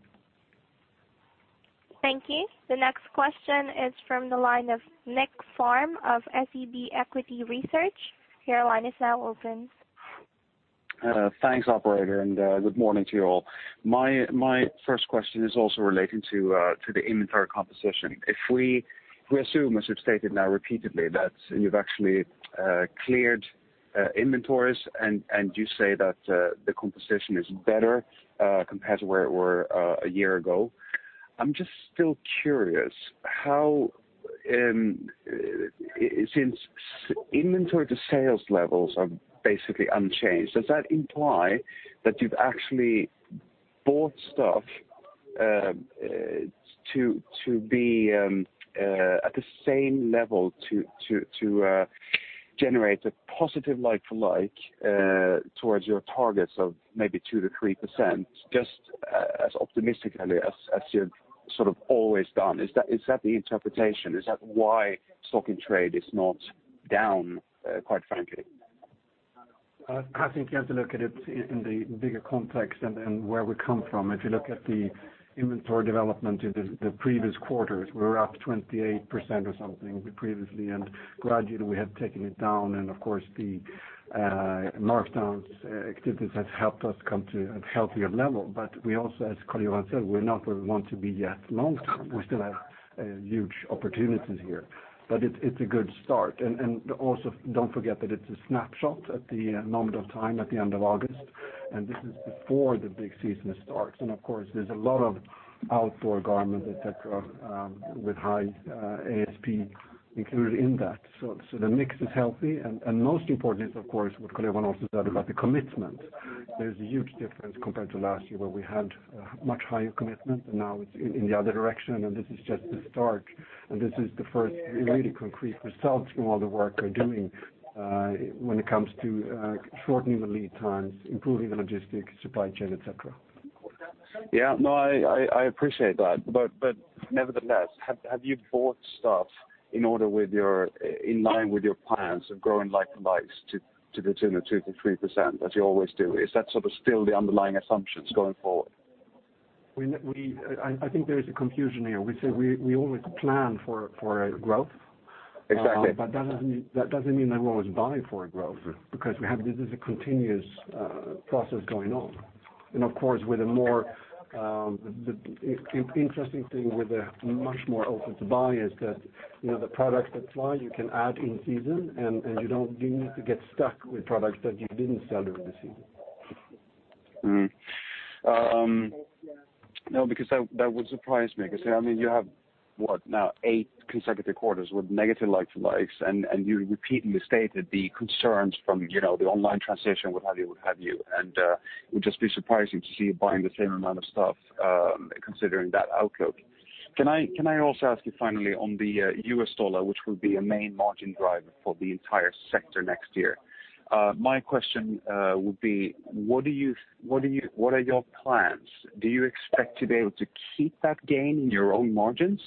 Thank you. The next question is from the line of Niklas Fhärm of SEB Equity Research. Your line is now open. Thanks, operator, good morning to you all. My first question is also relating to the inventory composition. If we assume, as you've stated now repeatedly, that you've actually cleared inventories and you say that the composition is better compared to where it were a year ago, I'm just still curious how since inventory to sales levels are basically unchanged, does that imply that you've actually bought stuff to be at the same level to generate a positive like-for-like towards your targets of maybe 2%-3%, just as optimistically as you've always done? Is that the interpretation? Is that why stock in trade is not down, quite frankly? I think you have to look at it in the bigger context and where we come from. If you look at the inventory development in the previous quarters, we were up 28% or something previously, gradually we have taken it down. Of course, the markdowns activities have helped us come to a healthier level. We also, as Karl-Johan said, we're not where we want to be yet. Long term, we still have huge opportunities here, but it's a good start. Also, don't forget that it's a snapshot at the moment of time at the end of August, this is before the big season starts. Of course, there's a lot of outdoor garments, et cetera, with high ASP included in that. The mix is healthy, most important is, of course, what Karl-Johan also said about the commitment. There's a huge difference compared to last year where we had much higher commitment, and now it's in the other direction, and this is just the start. This is the first really concrete result from all the work we're doing when it comes to shortening the lead times, improving the logistic supply chain, et cetera. Yeah. No, I appreciate that. Nevertheless, have you bought stuff in line with your plans of growing like-for-likes to between the 2%-3% as you always do? Is that still the underlying assumptions going forward? I think there is a confusion here. We say we always plan for growth. Exactly. That doesn't mean we always buy for a growth, because this is a continuous process going on. Of course, the interesting thing with a much more open-to-buy is that the product supply you can add in season, and you don't need to get stuck with products that you didn't sell during the season. No, because that would surprise me. You have what now, eight consecutive quarters with negative like-for-likes, and you repeatedly stated the concerns from the online transition, what have you. It would just be surprising to see you buying the same amount of stuff, considering that outlook. Can I also ask you finally on the US dollar, which will be a main margin driver for the entire sector next year. My question would be: What are your plans? Do you expect to be able to keep that gain in your own margins,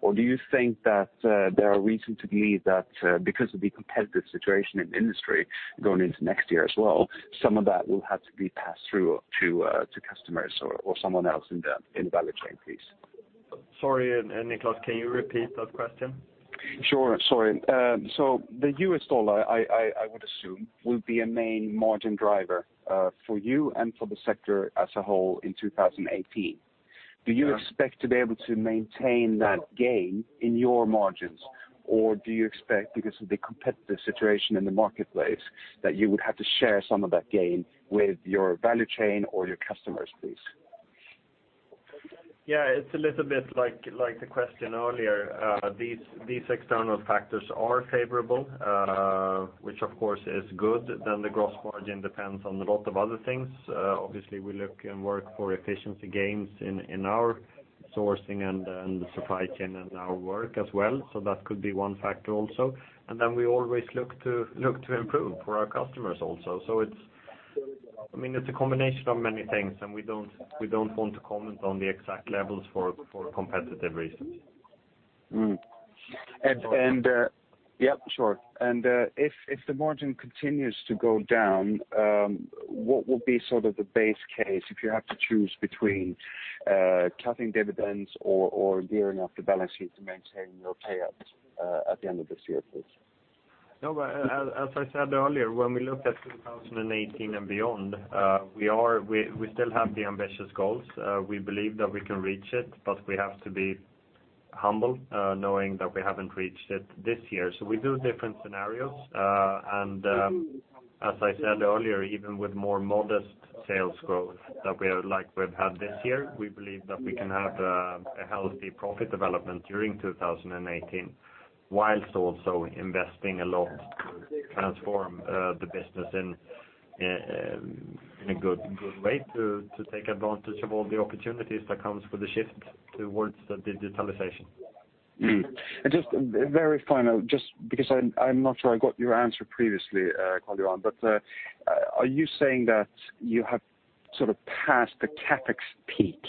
or do you think that there are reason to believe that because of the competitive situation in the industry going into next year as well, some of that will have to be passed through to customers or someone else in the value chain, please? Sorry, Niklas, can you repeat that question? Sure. Sorry. The US dollar, I would assume, will be a main margin driver for you and for the sector as a whole in 2018. Do you expect to be able to maintain that gain in your margins, or do you expect, because of the competitive situation in the marketplace, that you would have to share some of that gain with your value chain or your customers, please? Yeah, it's a little bit like the question earlier. These external factors are favorable, which of course is good. The gross margin depends on a lot of other things. Obviously, we look and work for efficiency gains in our sourcing and the supply chain and our work as well. That could be one factor also. We always look to improve for our customers also. It's a combination of many things, and we don't want to comment on the exact levels for competitive reasons. Sure. If the margin continues to go down, what will be the base case if you have to choose between cutting dividends or gearing up the balance sheet to maintain your payouts at the end of this year, please? As I said earlier, when we look at 2018 and beyond, we still have the ambitious goals. We believe that we can reach it, but we have to be humble knowing that we haven't reached it this year. We do different scenarios. As I said earlier, even with more modest sales growth like we've had this year, we believe that we can have a healthy profit development during 2018, whilst also investing a lot to transform the business in a good way to take advantage of all the opportunities that comes with the shift towards the digitalization. Just very final, just because I'm not sure I got your answer previously, Karl-Johan, but are you saying that you have passed the CapEx peak,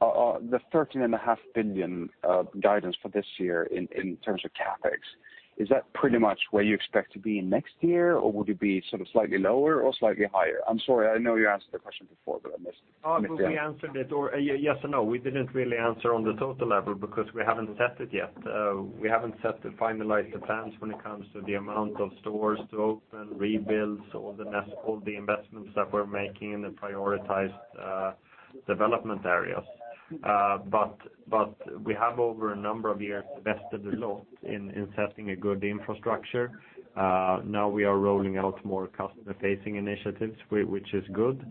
the 13.5 billion of guidance for this year in terms of CapEx? Is that pretty much where you expect to be next year, or would you be slightly lower or slightly higher? I'm sorry, I know you answered the question before, but I missed the answer. We answered it, yes and no. We didn't really answer on the total level because we haven't set it yet. We haven't finalized the plans when it comes to the amount of stores to open, rebuilds, all the investments that we're making in the prioritized development areas. We have over a number of years invested a lot in setting a good infrastructure. Now we are rolling out more customer-facing initiatives, which is good.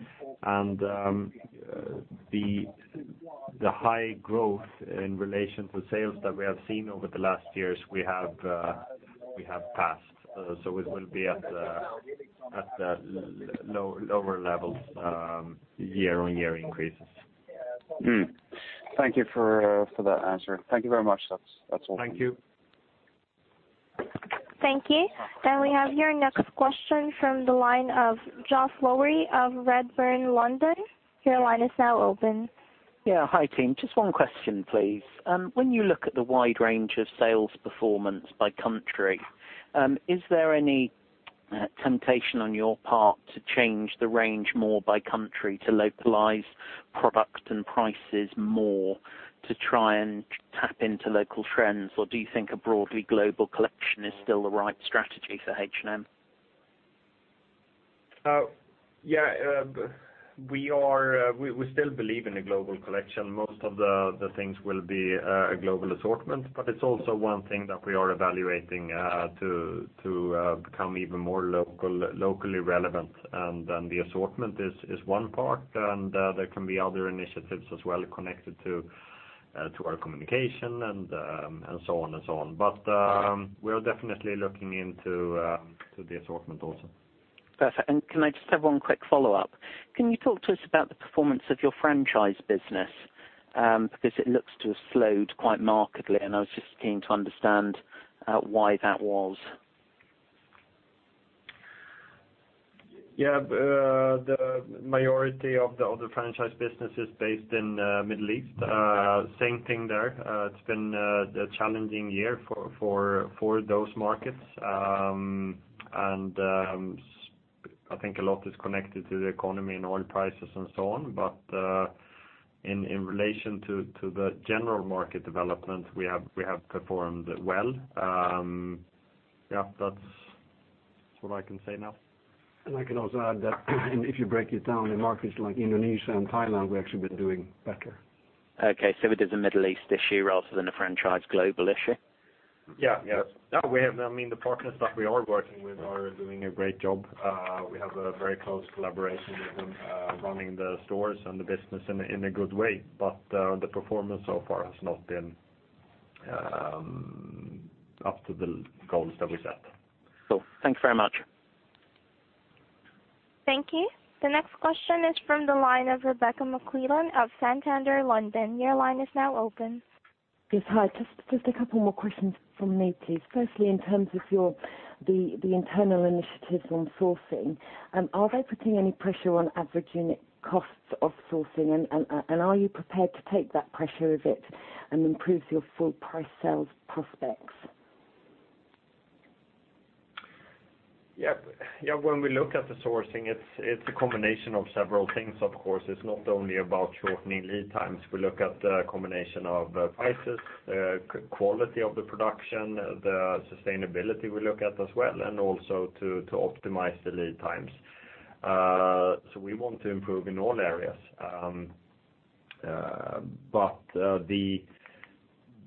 The high growth in relation to sales that we have seen over the last years, we have passed. It will be at the lower levels, year-on-year increases. Thank you for the answer. Thank you very much. That's all. Thank you. Thank you. We have your next question from the line of Geoff Lowery of Redburn London. Your line is now open. Yeah. Hi, team. Just one question, please. When you look at the wide range of sales performance by country, is there any temptation on your part to change the range more by country to localize products and prices more to try and tap into local trends? Or do you think a broadly global collection is still the right strategy for H&M? Yeah. We still believe in a global collection. Most of the things will be a global assortment, but it's also one thing that we are evaluating to become even more locally relevant. The assortment is one part, and there can be other initiatives as well connected to our communication and so on. We are definitely looking into the assortment also. Perfect. Can I just have one quick follow-up? Can you talk to us about the performance of your franchise business? It looks to have slowed quite markedly, and I was just keen to understand why that was. Yeah. The majority of the franchise business is based in Middle East. Same thing there. It's been a challenging year for those markets. I think a lot is connected to the economy and oil prices and so on. In relation to the general market development, we have performed well. Yeah, that's what I can say now. I can also add that if you break it down in markets like Indonesia and Thailand, we've actually been doing better. Okay. It is a Middle East issue rather than a franchise global issue? Yeah. I mean, the partners that we are working with are doing a great job. We have a very close collaboration with them, running the stores and the business in a good way. The performance so far has not been up to the goals that we set. Cool. Thank you very much. Thank you. The next question is from the line of Rebecca McClellan of Santander London. Your line is now open. Yes, hi. Just a couple more questions from me, please. Firstly, in terms of the internal initiatives on sourcing, are they putting any pressure on average unit costs of sourcing? Are you prepared to take that pressure a bit and improve your full price sales prospects? Yeah. When we look at the sourcing, it's a combination of several things, of course. It's not only about shortening lead times. We look at the combination of prices, quality of the production, the sustainability we look at as well, and also to optimize the lead times. We want to improve in all areas.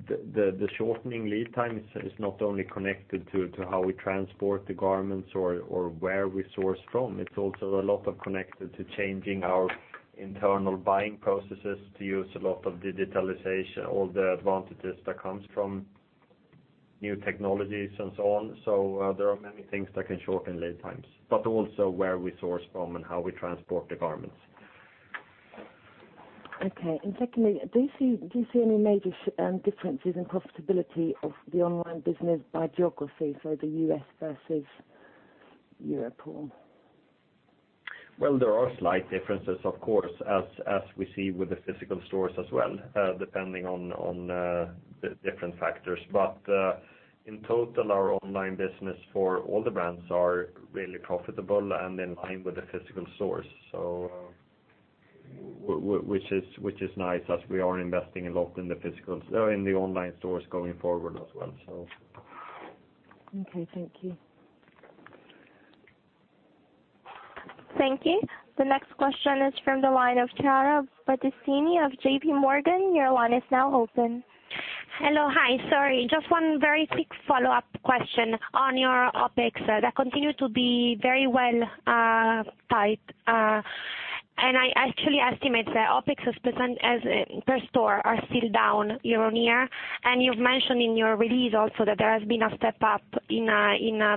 The shortening lead time is not only connected to how we transport the garments or where we source from. It's also a lot of connected to changing our internal buying processes to use a lot of digitalization, all the advantages that comes from new technologies and so on. There are many things that can shorten lead times, but also where we source from and how we transport the garments. Okay. Secondly, do you see any major differences in profitability of the online business by geography, so the U.S. versus Europe? Well, there are slight differences, of course, as we see with the physical stores as well, depending on the different factors. In total, our online business for all the brands are really profitable and in line with the physical stores. Which is nice as we are investing a lot in the online stores going forward as well. Okay, thank you. Thank you. The next question is from the line of Chiara Battistini of J.P. Morgan. Your line is now open. Hello. Hi, sorry, just one very quick follow-up question on your OpEx that continue to be very well tight. I actually estimate that OpEx per store are still down year-on-year. You've mentioned in your release also that there has been a step up in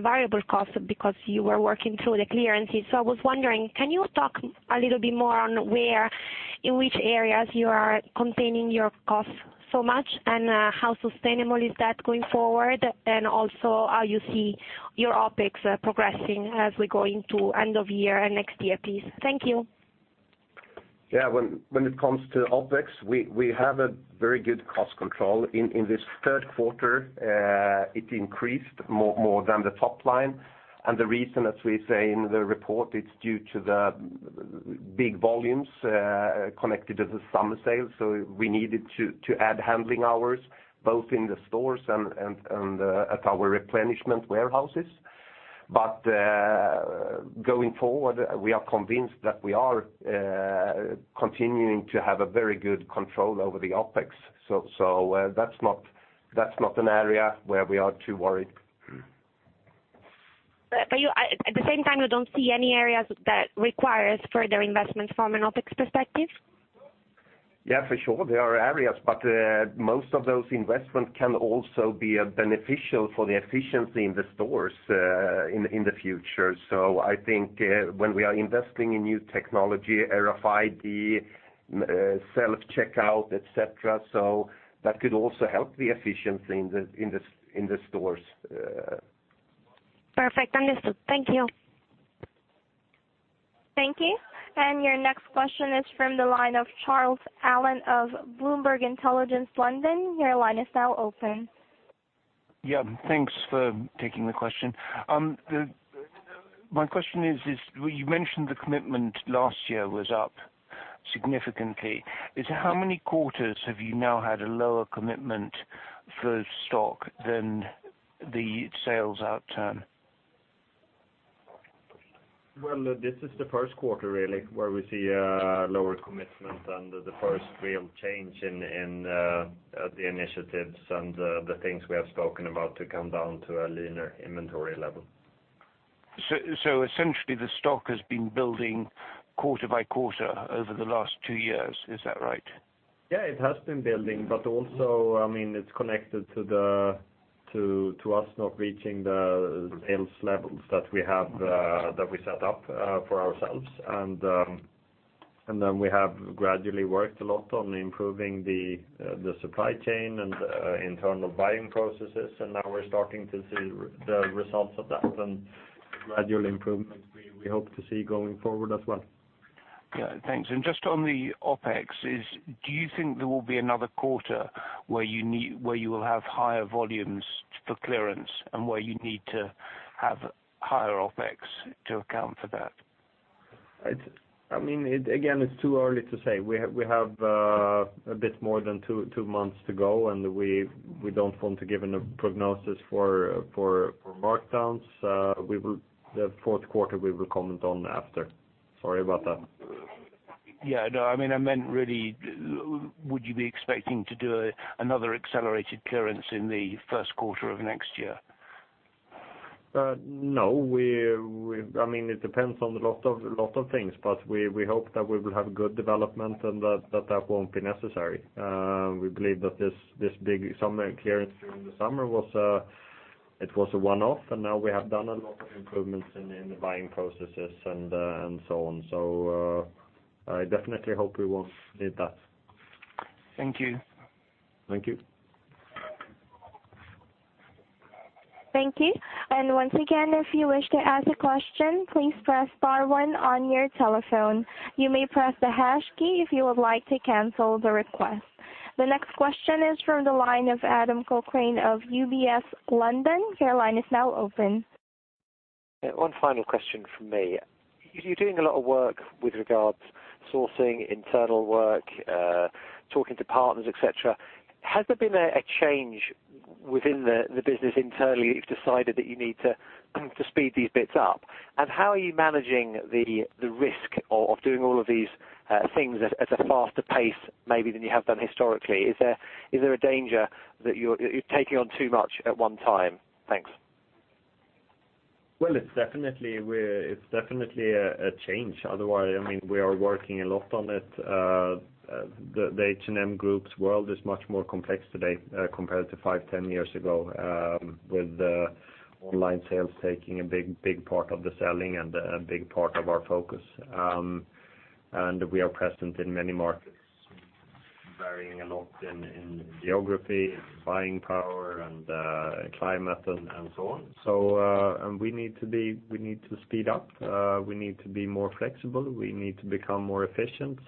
variable cost because you were working through the clearances. I was wondering, can you talk a little bit more on where, in which areas you are containing your costs so much, and how sustainable is that going forward? Also how you see your OpEx progressing as we go into end of year and next year, please. Thank you. Yeah. When it comes to OpEx, we have a very good cost control. In this third quarter, it increased more than the top line, the reason, as we say in the report, it's due to the big volumes connected to the summer sale. We needed to add handling hours both in the stores and at our replenishment warehouses. Going forward, we are convinced that we are continuing to have a very good control over the OpEx. That's not an area where we are too worried. At the same time, you don't see any areas that requires further investment from an OpEx perspective? Yeah, for sure there are areas, most of those investments can also be beneficial for the efficiency in the stores in the future. I think when we are investing in new technology, RFID, self-checkout, et cetera, that could also help the efficiency in the stores. Perfect. Understood. Thank you. Thank you. Your next question is from the line of Charles Allen of Bloomberg Intelligence, London. Your line is now open. Yeah. Thanks for taking the question. My question is, you mentioned the commitment last year was up significantly. How many quarters have you now had a lower commitment for stock than the sales upturn? Well, this is the first quarter really, where we see a lower commitment and the first real change in the initiatives and the things we have spoken about to come down to a leaner inventory level. Essentially the stock has been building quarter by quarter over the last two years. Is that right? It has been building, but also, it's connected to us not reaching the sales levels that we set up for ourselves. We have gradually worked a lot on improving the supply chain and internal buying processes, and now we're starting to see the results of that and gradual improvement we hope to see going forward as well. Yeah. Thanks. Just on the OpEx, do you think there will be another quarter where you will have higher volumes for clearance and where you need to have higher OpEx to account for that? Again, it's too early to say. We have a bit more than two months to go. We don't want to give any prognosis for markdowns. The fourth quarter we will comment on after. Sorry about that. Yeah. No, I meant really, would you be expecting to do another accelerated clearance in the first quarter of next year? No. It depends on a lot of things, but we hope that we will have good development and that won't be necessary. We believe that this big clearance during the summer it was a one-off, and now we have done a lot of improvements in the buying processes and so on. I definitely hope we won't need that. Thank you. Thank you. Thank you. Once again, if you wish to ask a question, please press star one on your telephone. You may press the hash key if you would like to cancel the request. The next question is from the line of Adam Cochrane of UBS, London. Your line is now open. One final question from me. You're doing a lot of work with regards sourcing, internal work, talking to partners, et cetera. Has there been a change within the business internally you've decided that you need to speed these bits up? How are you managing the risk of doing all of these things at a faster pace, maybe than you have done historically? Is there a danger that you're taking on too much at one time? Thanks. Well, it's definitely a change. Otherwise, we are working a lot on it. The H&M Group's world is much more complex today compared to five, 10 years ago, with online sales taking a big part of the selling and a big part of our focus. We are present in many markets, varying a lot in geography, buying power, and climate and so on. We need to speed up. We need to be more flexible. We need to become more efficient.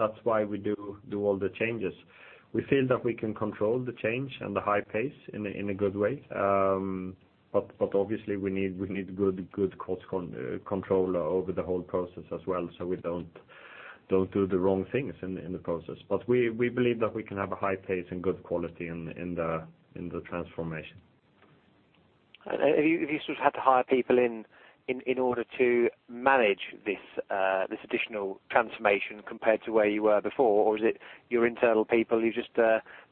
That's why we do all the changes. We feel that we can control the change and the high pace in a good way. Obviously we need good control over the whole process as well, so we don't do the wrong things in the process. We believe that we can have a high pace and good quality in the transformation. Have you had to hire people in order to manage this additional transformation compared to where you were before? Is it your internal people, you just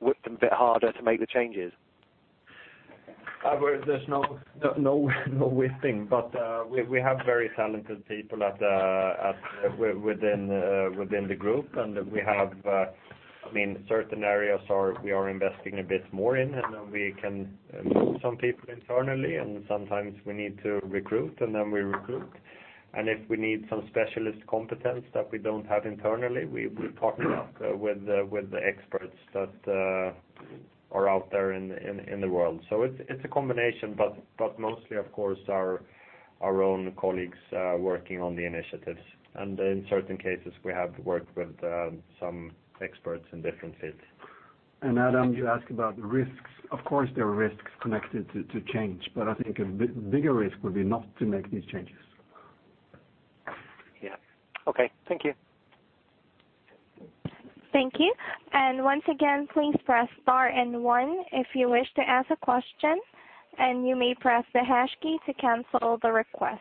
whip them a bit harder to make the changes? There's no whipping. We have very talented people within the group. We have certain areas we are investing a bit more in. We can move some people internally. Sometimes we need to recruit, then we recruit. If we need some specialist competence that we don't have internally, we partner up with the experts that are out there in the world. It's a combination, but mostly of course our own colleagues working on the initiatives. In certain cases, we have worked with some experts in different fields. Adam, you ask about risks. Of course, there are risks connected to change. I think a bigger risk would be not to make these changes. Yeah. Okay. Thank you. Thank you. Once again, please press star and one if you wish to ask a question. You may press the hash key to cancel the request.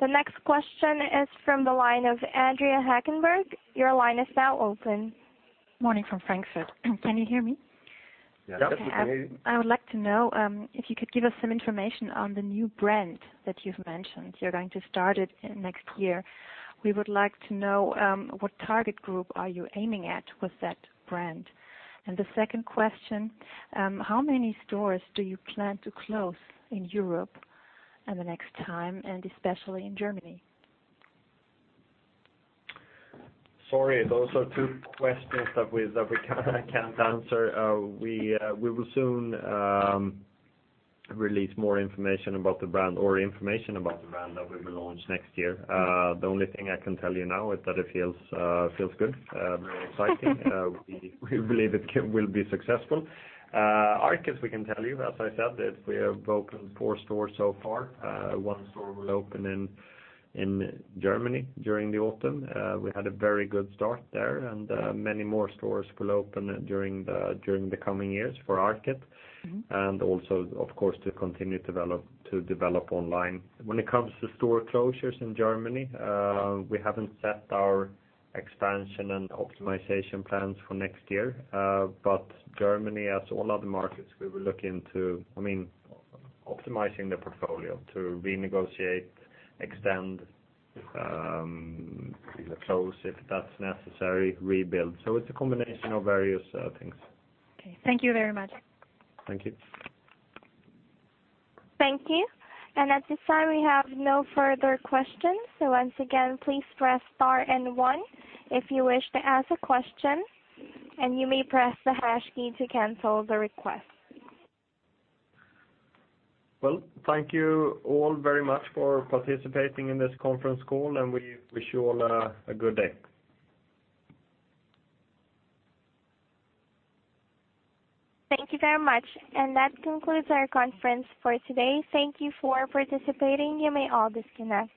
The next question is from the line of Andrea Hagenberg. Your line is now open. Morning from Frankfurt. Can you hear me? Yes. I would like to know if you could give us some information on the new brand that you've mentioned. You're going to start it next year. We would like to know what target group are you aiming at with that brand. The second question, how many stores do you plan to close in Europe in the next time, and especially in Germany? Sorry, those are two questions that we can't answer. We will soon release more information about the brand or information about the brand that we will launch next year. The only thing I can tell you now is that it feels good, very exciting. We believe it will be successful. ARKET, we can tell you, as I said, that we have opened four stores so far. One store will open in Germany during the autumn. We had a very good start there, also, of course, to continue to develop online. Germany, as all other markets, we will look into optimizing the portfolio to renegotiate, extend, close if that's necessary, rebuild. It's a combination of various things. Okay. Thank you very much. Thank you. Thank you. At this time, we have no further questions. Once again, please press star and one if you wish to ask a question, and you may press the hash key to cancel the request. Thank you all very much for participating in this conference call, and we wish you all a good day. Thank you very much. That concludes our conference for today. Thank you for participating. You may all disconnect.